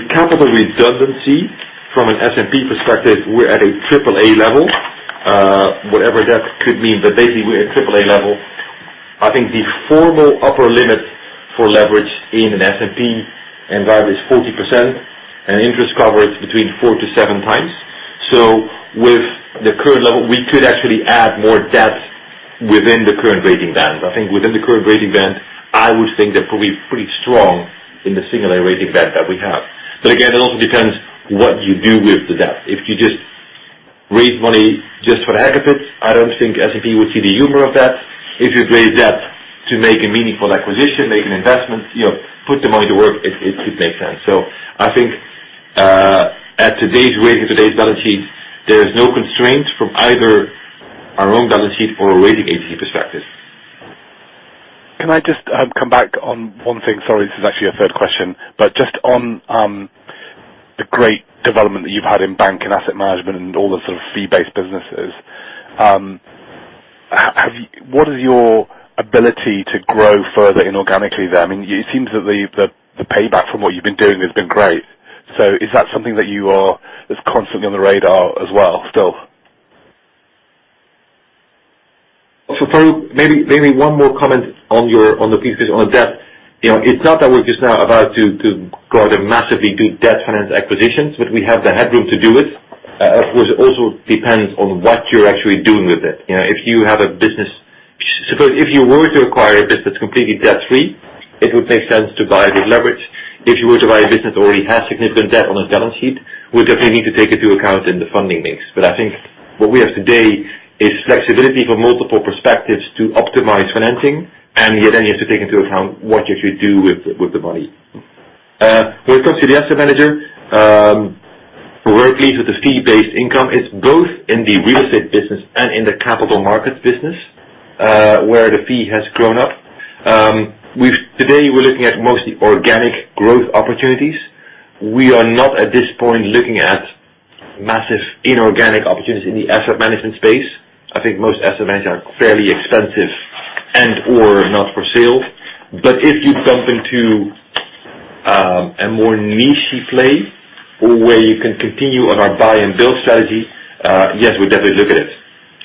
capital redundancy from an S&P perspective, we're at a triple A level, whatever that could mean. But basically, we're at triple A level. I think the formal upper limit for leverage in an S&P environment is 40%, and interest coverage between four to seven times. With the current level, we could actually add more debt within the current rating band. I think within the current rating band, I would think that we're pretty strong in the singular rating band that we have. Again, it also depends what you do with the debt. If you just raise money just for the heck of it, I don't think S&P would see the humor of that. If you raise debt to make a meaningful acquisition, make an investment, put the money to work, it could make sense. I think at today's rate and today's balance sheet, there is no constraint from either our own balance sheet or a rating agency perspective. Can I just come back on one thing? Sorry, this is actually a third question, just on the great development that you've had in bank and asset management and all the sort of fee-based businesses. What is your ability to grow further inorganically there? It seems that the payback from what you've been doing has been great. Is that something that's constantly on the radar as well, still? Farooq, maybe one more comment on the pieces on the debt. It's not that we're just now about to go out and massively do debt finance acquisitions, but we have the headroom to do it. Of course, it also depends on what you're actually doing with it. If you were to acquire a business that's completely debt-free, it would make sense to buy with leverage. If you were to buy a business that already has significant debt on its balance sheet, we definitely need to take into account in the funding mix. I think what we have today is flexibility from multiple perspectives to optimize financing, and you then need to take into account what you should do with the money. When it comes to the asset manager, we're pleased with the fee-based income. It's both in the real estate business and in the capital markets business, where the fee has grown up. Today, we're looking at mostly organic growth opportunities. We are not, at this point, looking at massive inorganic opportunities in the asset management space. I think most asset managers are fairly expensive and/or not for sale. If you bump into a more niche play where you can continue on our buy and build strategy, yes, we'd definitely look at it.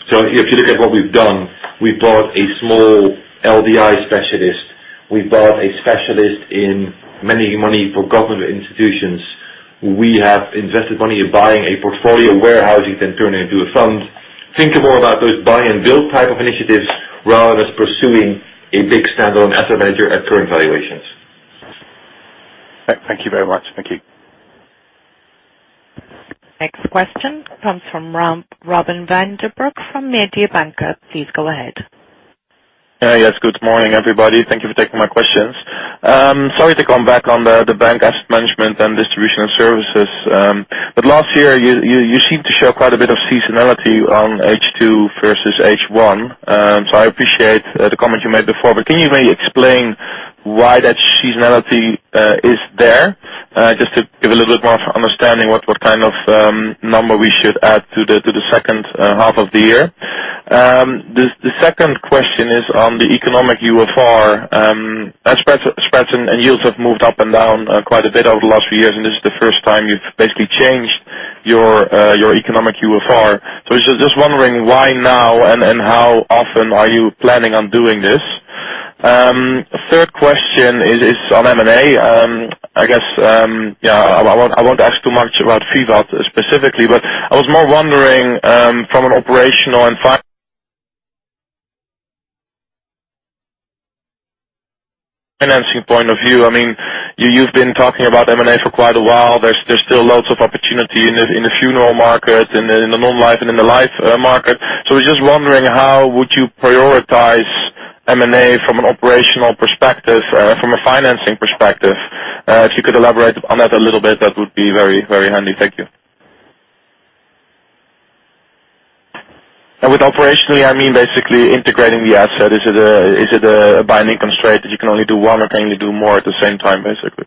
If you look at what we've done, we bought a small LDI specialist. We bought a specialist in money for government institutions. We have invested money in buying a portfolio warehousing than turning into a fund. Think more about those buy and build type of initiatives rather than pursuing a big standalone asset manager at current valuations. Thank you very much. Thank you. Next question comes from Robin van den Broek from Mediobanca. Please go ahead. Good morning, everybody. Thank you for taking my questions. Sorry to come back on the bank asset management and distribution of services. Last year, you seemed to show quite a bit of seasonality on H2 versus H1. I appreciate the comment you made before, but can you maybe explain why that seasonality is there? Just to give a little bit more of understanding what kind of number we should add to the second half of the year. The second question is on the economic UFR. Spreads and yields have moved up and down quite a bit over the last few years, and this is the first time you've basically changed your economic UFR. Just wondering why now and how often are you planning on doing this? A third question is on M&A. I won't ask too much about Vivat specifically, but I was more wondering from an operational and financing point of view. You've been talking about M&A for quite a while. There's still loads of opportunity in the funeral market, in the non-life and in the life market. Just wondering how would you prioritize M&A from an operational perspective, from a financing perspective? If you could elaborate on that a little bit, that would be very handy. Thank you. With operationally, I mean basically integrating the asset. Is it a binding constraint that you can only do one or can you do more at the same time, basically?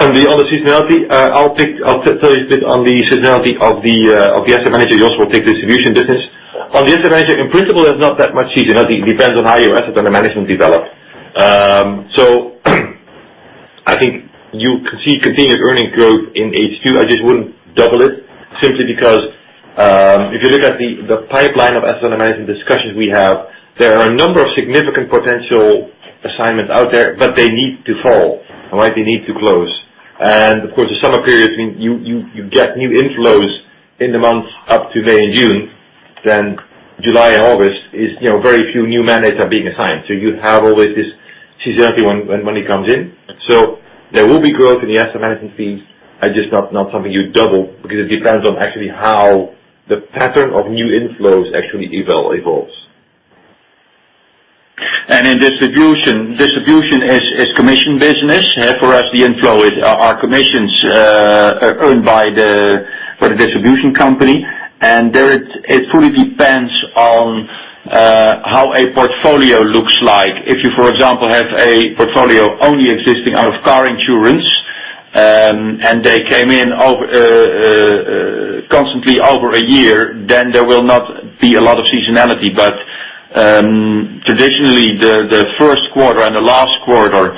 On the seasonality, I'll tell you a bit on the seasonality of the asset manager. Jos will take distribution business. On the asset manager, in principle, there's not that much seasonality. It depends on how your asset under management develop. I think you could see continued earning growth in H2. I just wouldn't double it simply because, if you look at the pipeline of asset management discussions we have, there are a number of significant potential assignments out there, but they need to fall. They need to close. Of course, the summer period means you get new inflows in the months up to May and June. July and August is very few new mandates are being assigned. You have always this seasonality when money comes in. There will be growth in the asset management fees, just not something you double because it depends on actually how the pattern of new inflows actually evolves. In distribution. Distribution is commission business. For us, the inflow are commissions earned by the distribution company. It fully depends on how a portfolio looks like. If you, for example, have a portfolio only existing out of car insurance, and they came in constantly over a year, there will not be a lot of seasonality. Traditionally, the first quarter and the last quarter,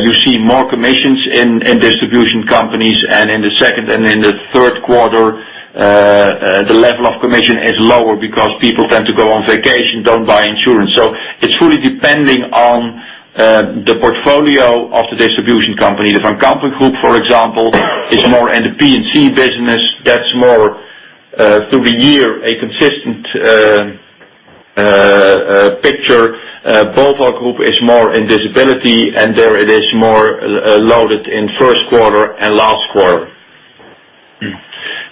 you see more commissions in distribution companies, in the second and in the third quarter, the level of commission is lower because people tend to go on vacation, don't buy insurance. It's fully depending on the portfolio of the distribution company. The Van Kampen Groep, for example, is more in the P&C business, gets more through the year, a consistent picture. Boval Group is more in disability, and there it is more loaded in first quarter and last quarter.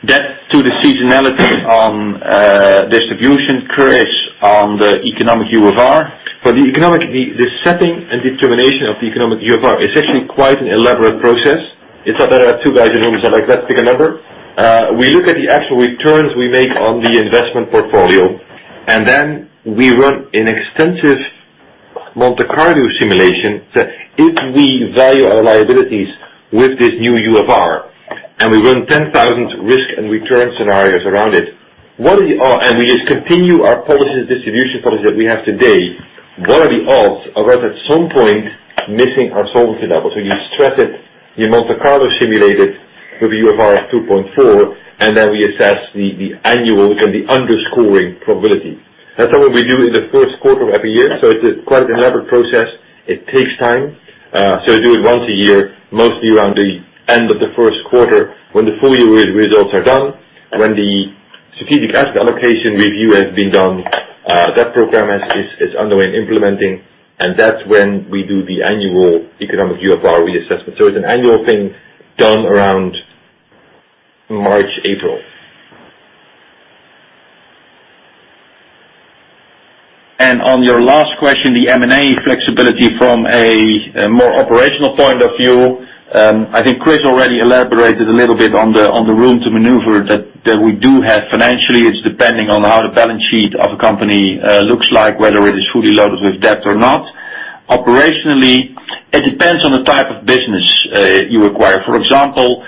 That to the seasonality on distribution. Chris, on the economic UFR. The economic, the setting and determination of the economic UFR is actually quite an elaborate process. It's not that there are two guys in a room who say, like, "Let's pick a number." We look at the actual returns we make on the investment portfolio, and then we run an extensive Monte Carlo simulation that if we value our liabilities with this new UFR, and we run 10,000 risk and return scenarios around it, and we just continue our distribution policies that we have today, what are the odds of us at some point missing our solvency level? You stress it, you Monte Carlo simulate it with a UFR of 2.4, and then we assess the annual and the underscoring probability. That's something we do in the first quarter of every year. It's quite an elaborate process. It takes time. We do it once a year, mostly around the end of the first quarter when the full-year results are done, when the strategic asset allocation review has been done. That program is underway and implementing, and that's when we do the annual economic UFR reassessment. It's an annual thing done around March, April. On your last question, the M&A flexibility from a more operational point of view, I think Chris already elaborated a little bit on the room to maneuver that we do have financially. It's depending on how the balance sheet of a company looks like, whether it is fully loaded with debt or not. Operationally, it depends on the type of business you acquire. For example,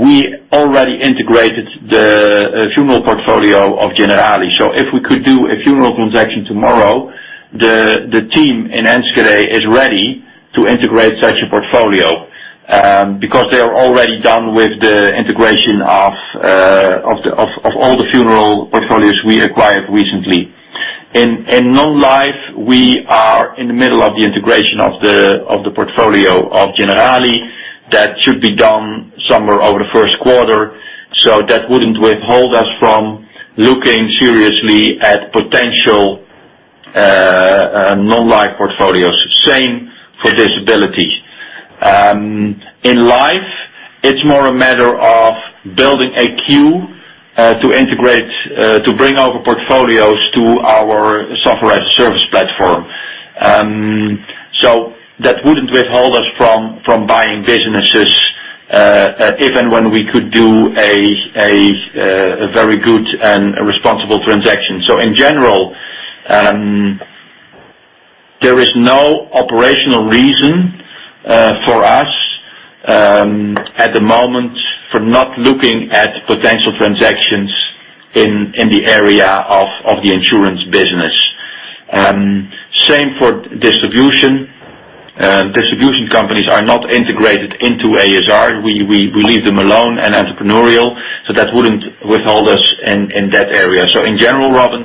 we already integrated the funeral portfolio of Generali. If we could do a funeral transaction tomorrow, the team in Enschede is ready to integrate such a portfolio because they are already done with the integration of all the funeral portfolios we acquired recently. In non-life, we are in the middle of the integration of the portfolio of Generali. That should be done somewhere over the first quarter. That wouldn't withhold us from looking seriously at potential non-life portfolios. Same for disability. In life, it's more a matter of building a queue to bring our portfolios to our Software as a Service platform. That wouldn't withhold us from buying businesses, even when we could do a very good and responsible transaction. In general, there is no operational reason for us at the moment for not looking at potential transactions in the area of the insurance business. Same for Distribution companies are not integrated into ASR. We leave them alone and entrepreneurial, that wouldn't withhold us in that area. In general, Robin,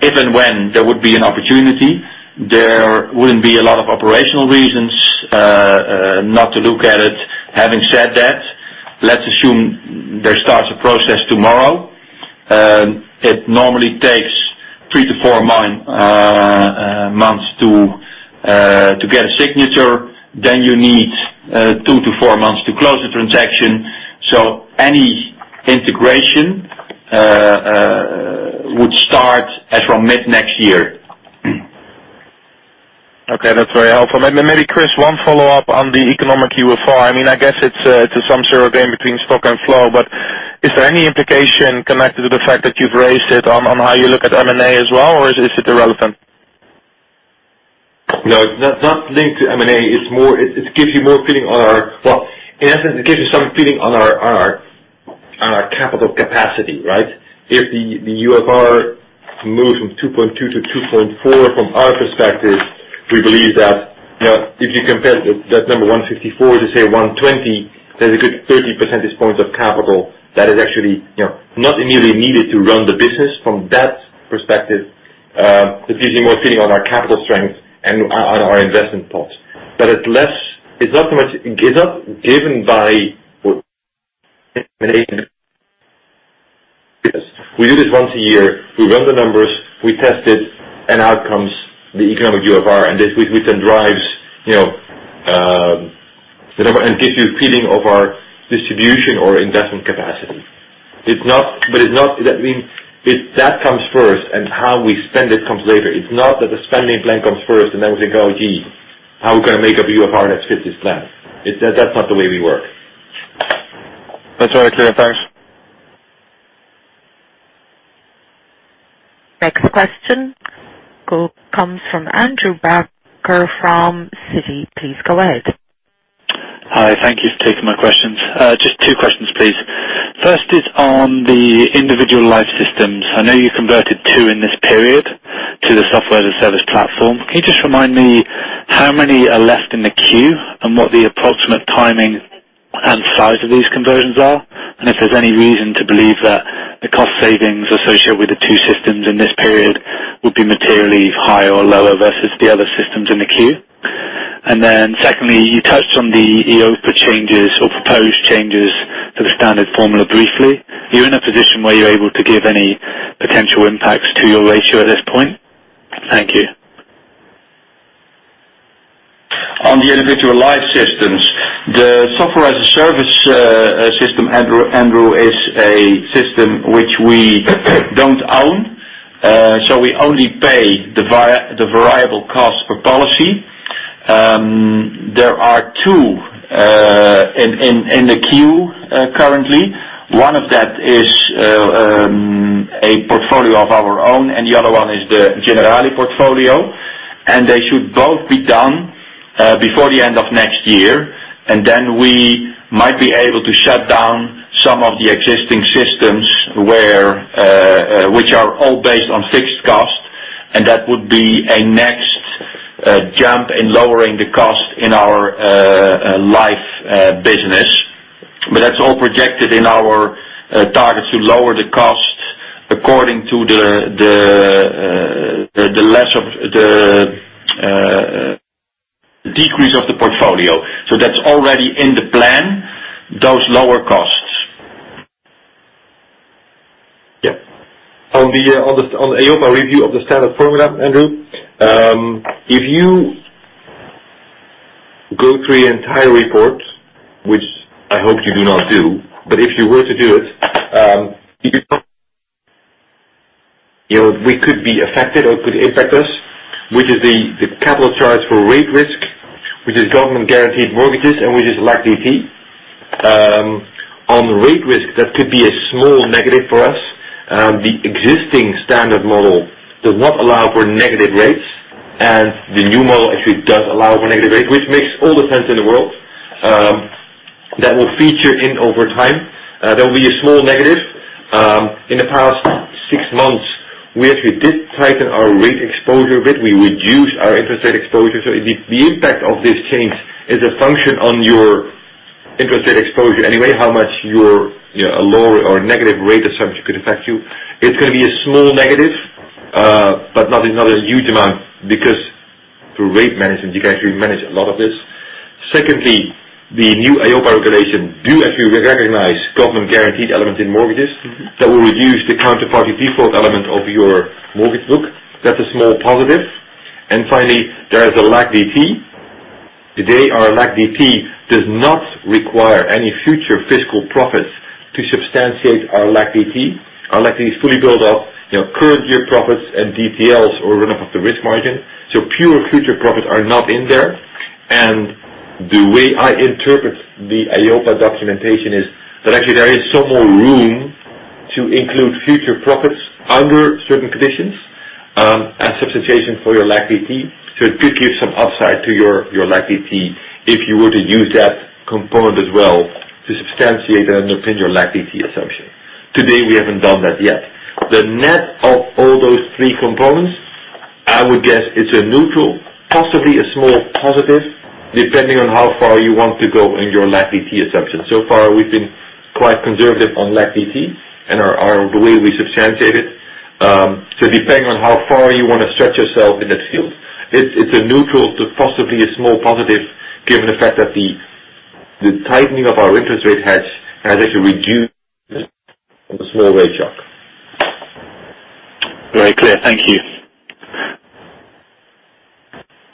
if and when there would be an opportunity, there wouldn't be a lot of operational reasons not to look at it. Having said that, let's assume there starts a process tomorrow. It normally takes 3 to 4 months to get a signature. Then you need 2 to 4 months to close the transaction. Any integration would start as from mid-next year. Okay, that's very helpful. Maybe, Chris, one follow-up on the economic UFR. I guess it's some sort of game between stock and flow, but is there any implication connected to the fact that you've raised it on how you look at M&A as well? Or is it irrelevant? No, it's not linked to M&A. It gives you more feeling on our Well, in essence, it gives you some feeling on our capital capacity, right? If the UFR moves from 2.2 to 2.4, from our perspective, we believe that if you compare that number 154 to say, 120, there's a good 30 percentage points of capital that is actually not immediately needed to run the business from that perspective. It gives you more feeling on our capital strength and on our investment pot. It's not given by because we do this once a year. We run the numbers, we test it, out comes the economic UFR, this is what then drives the number and gives you a feeling of our distribution or investment capacity. That comes first and how we spend it comes later. It's not that the spending plan comes first and then we think, "Oh, gee, how are we going to make a UFR that fits this plan?" That's not the way we work. That's very clear. Thanks. Next question comes from James Shuck from Citigroup. Please go ahead. Hi. Thank you for taking my questions. Just two questions, please. First is on the individual life systems. I know you converted two in this period to the Software as a Service platform. Can you just remind me how many are left in the queue and what the approximate timing and size of these conversions are? If there's any reason to believe that the cost savings associated with the two systems in this period will be materially higher or lower versus the other systems in the queue. Then secondly, you touched on the EIOPA changes or proposed changes to the standard formula briefly. Are you in a position where you're able to give any potential impacts to your ratio at this point? Thank you. On the individual life systems, the Software as a Service system, James, is a system which we don't own. We only pay the variable cost per policy. There are two in the queue currently. One of that is a portfolio of our own, and the other one is the Generali portfolio, and they should both be done before the end of next year. We might be able to shut down some of the existing systems which are all based on fixed cost, and that would be a next jump in lowering the cost in our life business. That's all projected in our targets to lower the cost according to the decrease of the portfolio. That's already in the plan, those lower costs. On the EIOPA review of the standard formula, James. If you go through the entire report, which I hope you do not do, if you were to do it, we could be affected or it could impact us, which is the capital charge for rate risk, which is government-guaranteed mortgages, which is LAC DT. On rate risk, that could be a small negative for us. The existing standard model does not allow for negative rates, the new model actually does allow for negative rate, which makes all the sense in the world. That will feature in over time. There will be a small negative. In the past six months, we actually did tighten our rate exposure a bit. We reduced our interest rate exposure. The impact of this change is a function on your interest rate exposure anyway, how much a lower or a negative rate assumption could affect you. It's going to be a small negative, not a huge amount because through rate management, you can actually manage a lot of this. Secondly, the new EIOPA regulation do actually recognize government-guaranteed elements in mortgages. That will reduce the counterparty default element of your mortgage book. That's a small positive. Finally, there is a LAC DT. Today, our LAC DT does not require any future fiscal profits to substantiate our LAC DT. Our LAC DT is fully built up. Current year profits and DTLs are enough of the risk margin. Pure future profits are not in there. The way I interpret the EIOPA documentation is that actually there is some more room to include future profits under certain conditions, as substitution for your LAC DT. It could give some upside to your LAC DT if you were to use that component as well to substantiate and underpin your LAC DT assumption. Today, we haven't done that yet. The net of all those three components, I would guess it's a neutral, possibly a small positive, depending on how far you want to go in your LAC DT assumption. Far, we've been quite conservative on LAC DT and the way we substantiate it. Depending on how far you want to stretch yourself in that field, it's a neutral to possibly a small positive given the fact that the tightening of our interest rate has actually reduced a small rate shock. Very clear. Thank you.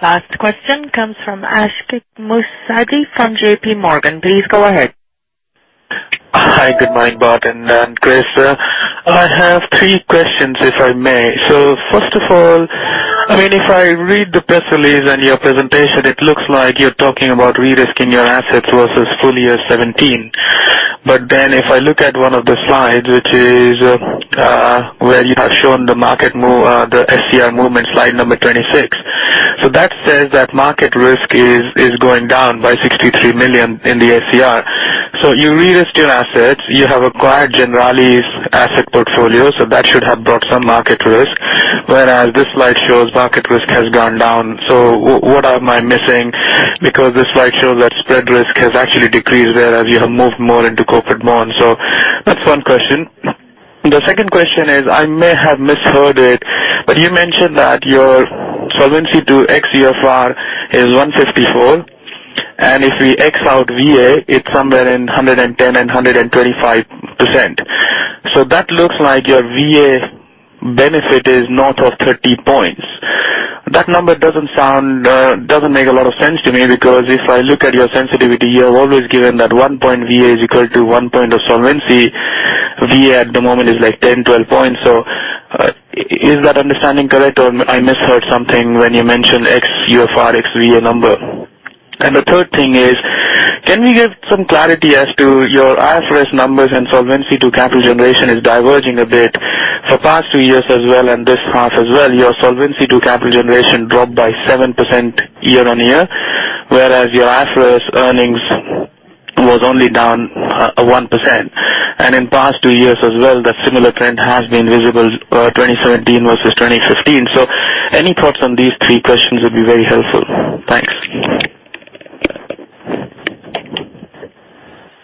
Last question comes from Ashik Musaddi from JPMorgan. Please go ahead. Hi, good morning, Jos Baeten and Chris. I have three questions, if I may. First of all, if I read the press release and your presentation, it looks like you're talking about de-risking your assets versus full year 2017. If I look at one of the slides, which is where you have shown the SCR movement, slide 26. That says that market risk is going down by 63 million in the SCR. You de-risk your assets, you have acquired Generali Netherlands' asset portfolio, that should have brought some market risk, whereas this slide shows market risk has gone down. What am I missing? Because this slide shows that spread risk has actually decreased whereas you have moved more into corporate bonds. That's one question. The second question is, I may have misheard it, but you mentioned that your Solvency II xUFR is 154%, if we x out VA, it's somewhere in 110%-125%. That looks like your VA benefit is north of 30 points. That number doesn't make a lot of sense to me because if I look at your sensitivity, you have always given that 1 point VA is equal to 1 point of solvency. VA at the moment is 10-12 points. Is that understanding correct or I misheard something when you mentioned xUFR, xVA number? The third thing is, can we get some clarity as to your IFRS numbers and Solvency to capital generation is diverging a bit for past two years as well and this half as well. Your Solvency II capital generation dropped by 7% year-on-year, whereas your IFRS earnings was only down 1%. In past two years as well, that similar trend has been visible, 2017 versus 2015. Any thoughts on these three questions would be very helpful. Thanks.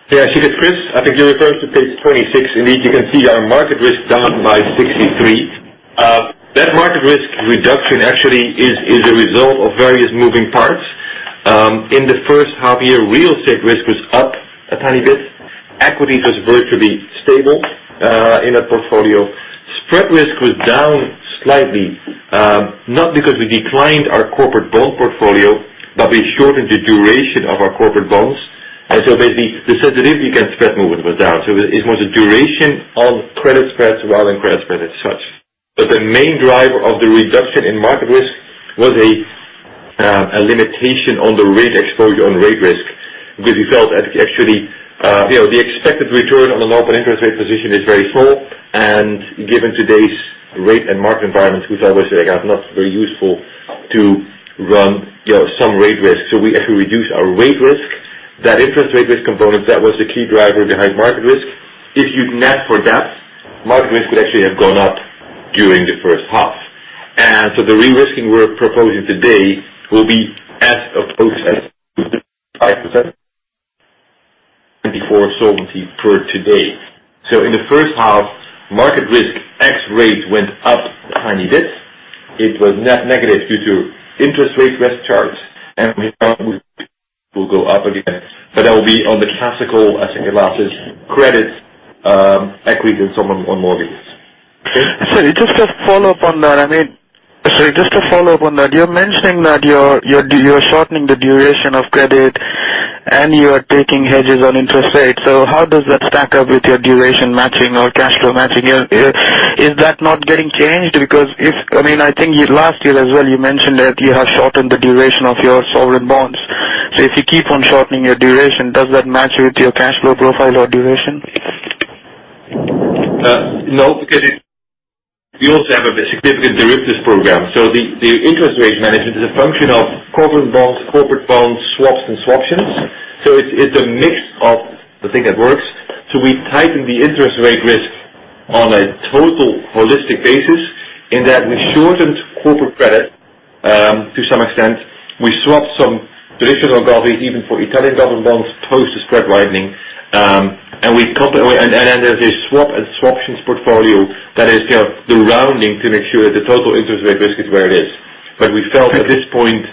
Yeah, Ashik. Chris, I think you're referring to page 26. Indeed, you can see our market risk down by 63%. That market risk reduction actually is a result of various moving parts. In the first half year, real estate risk was up a tiny bit. Equity was virtually stable in that portfolio. Spread risk was down slightly, not because we declined our corporate bond portfolio, but we shortened the duration of our corporate bonds. Basically, the sensitivity against spread movement was down. It was a duration of credit spreads rather than credit spread as such. The main driver of the reduction in market risk was a limitation on the rate exposure on rate risk. We felt that actually, the expected return on an open interest rate position is very small, and given today's rate and market environment, we thought it was not very useful to run some rate risk. We actually reduced our rate risk. That interest rate risk component, that was the key driver behind market risk. If you net for debt, market risk would actually have gone up during the first half. The de-risking we're proposing today will be as opposed as 5% before Solvency II for today. In the first half, market risk x rate went up a tiny bit. It was net negative due to interest rate risk charge, we thought it will go up again. That will be on the classical assets, Credits, Equity, and so on mortgages. Sorry, just a follow-up on that. You're mentioning that you're shortening the duration of Credit and you are taking hedges on interest rate. How does that stack up with your duration matching or cash flow matching? Is that not getting changed? Because I think last year as well, you mentioned that you have shortened the duration of your sovereign bonds. If you keep on shortening your duration, does that match with your cash flow profile or duration? Because we also have a significant derivatives program. The interest rate management is a function of corporate bonds, swaps, and swaptions. It's a mix of the thing that works. We tighten the interest rate risk on a total holistic basis in that we shortened corporate credit, to some extent. We swapped some traditional government, even for Italian government bonds, post the spread widening. There's a swap and swaptions portfolio that is the rounding to make sure the total interest rate risk is where it is. We felt at this point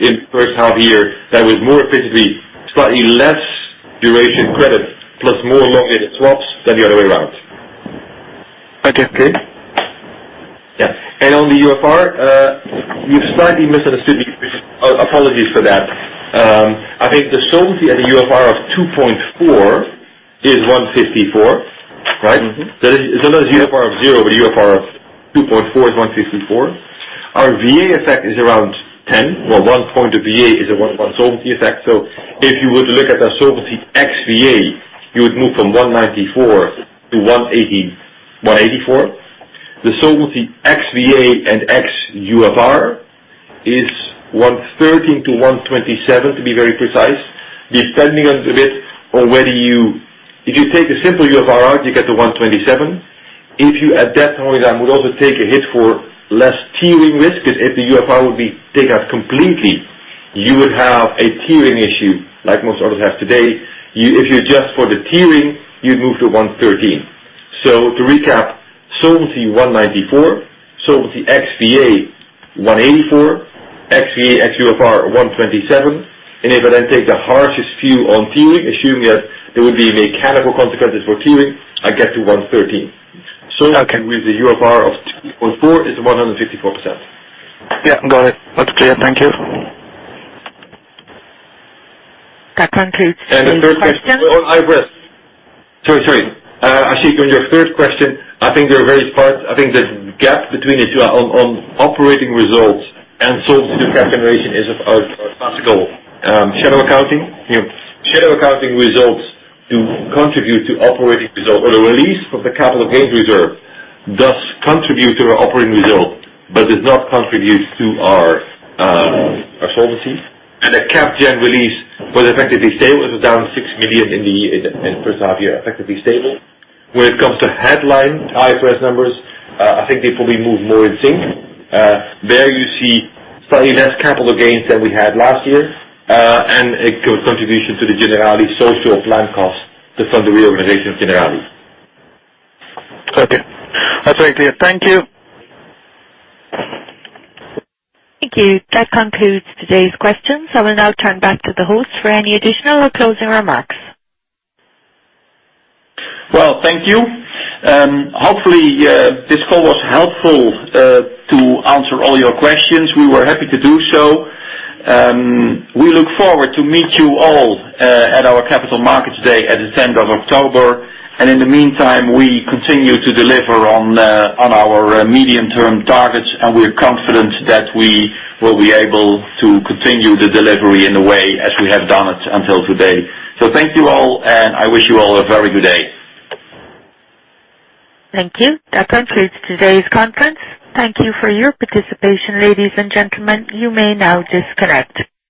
in first half-year, that was more efficiently, slightly less duration credit plus more long-dated swaps than the other way around. Okay. On the UFR, you've slightly misunderstood me. Apologies for that. I think the solvency at a UFR of 2.4 is 154, right? There's UFR of zero, UFR of 2.4 is 154. Our VA effect is around 10, or one point of VA is a one solvency effect. If you were to look at a solvency xVA, you would move from 194 to 184. The solvency ex VA and ex UFR is 113 to 127, to be very precise, depending on whether you take the simple UFR out, you get to 127. If you at that point in time would also take a hit for less tiering risk, if the UFR would be take out completely, you would have a tiering issue like most others have today. If you adjust for the tiering, you'd move to 113. To recap, solvency 194, solvency ex VA 184, ex VA, ex UFR 127. If I then take the harshest view on tiering, assuming that there would be mechanical consequences for tiering, I get to 113. Okay. With the UFR of 2.4 is 154%. Yeah, got it. That's clear. Thank you. That concludes today's questions. Sorry. Actually, on your first question, I think there are various parts. I think the gap between the two on operating results and solvency generation is of our classical shadow accounting. Shadow accounting results contribute to operating results or the release of the capital gains reserve does contribute to our operating results, but does not contribute to our solvency. The cap gen release was effectively stable. It was down 6 million in the first half year, effectively stable. When it comes to headline IFRS numbers, I think they probably move more in sync. There you see slightly less capital gains than we had last year, and a contribution to the Generali social plan cost to fund the reorganization of Generali. Okay. That's very clear. Thank you. Thank you. That concludes today's questions. I will now turn back to the host for any additional or closing remarks. Well, thank you. Hopefully, this call was helpful to answer all your questions. We were happy to do so. We look forward to meet you all at our Capital Markets Day at the 10th of October. In the meantime, we continue to deliver on our medium-term targets, and we are confident that we will be able to continue the delivery in the way as we have done it until today. Thank you all, and I wish you all a very good day. Thank you. That concludes today's conference. Thank you for your participation, ladies and gentlemen. You may now disconnect.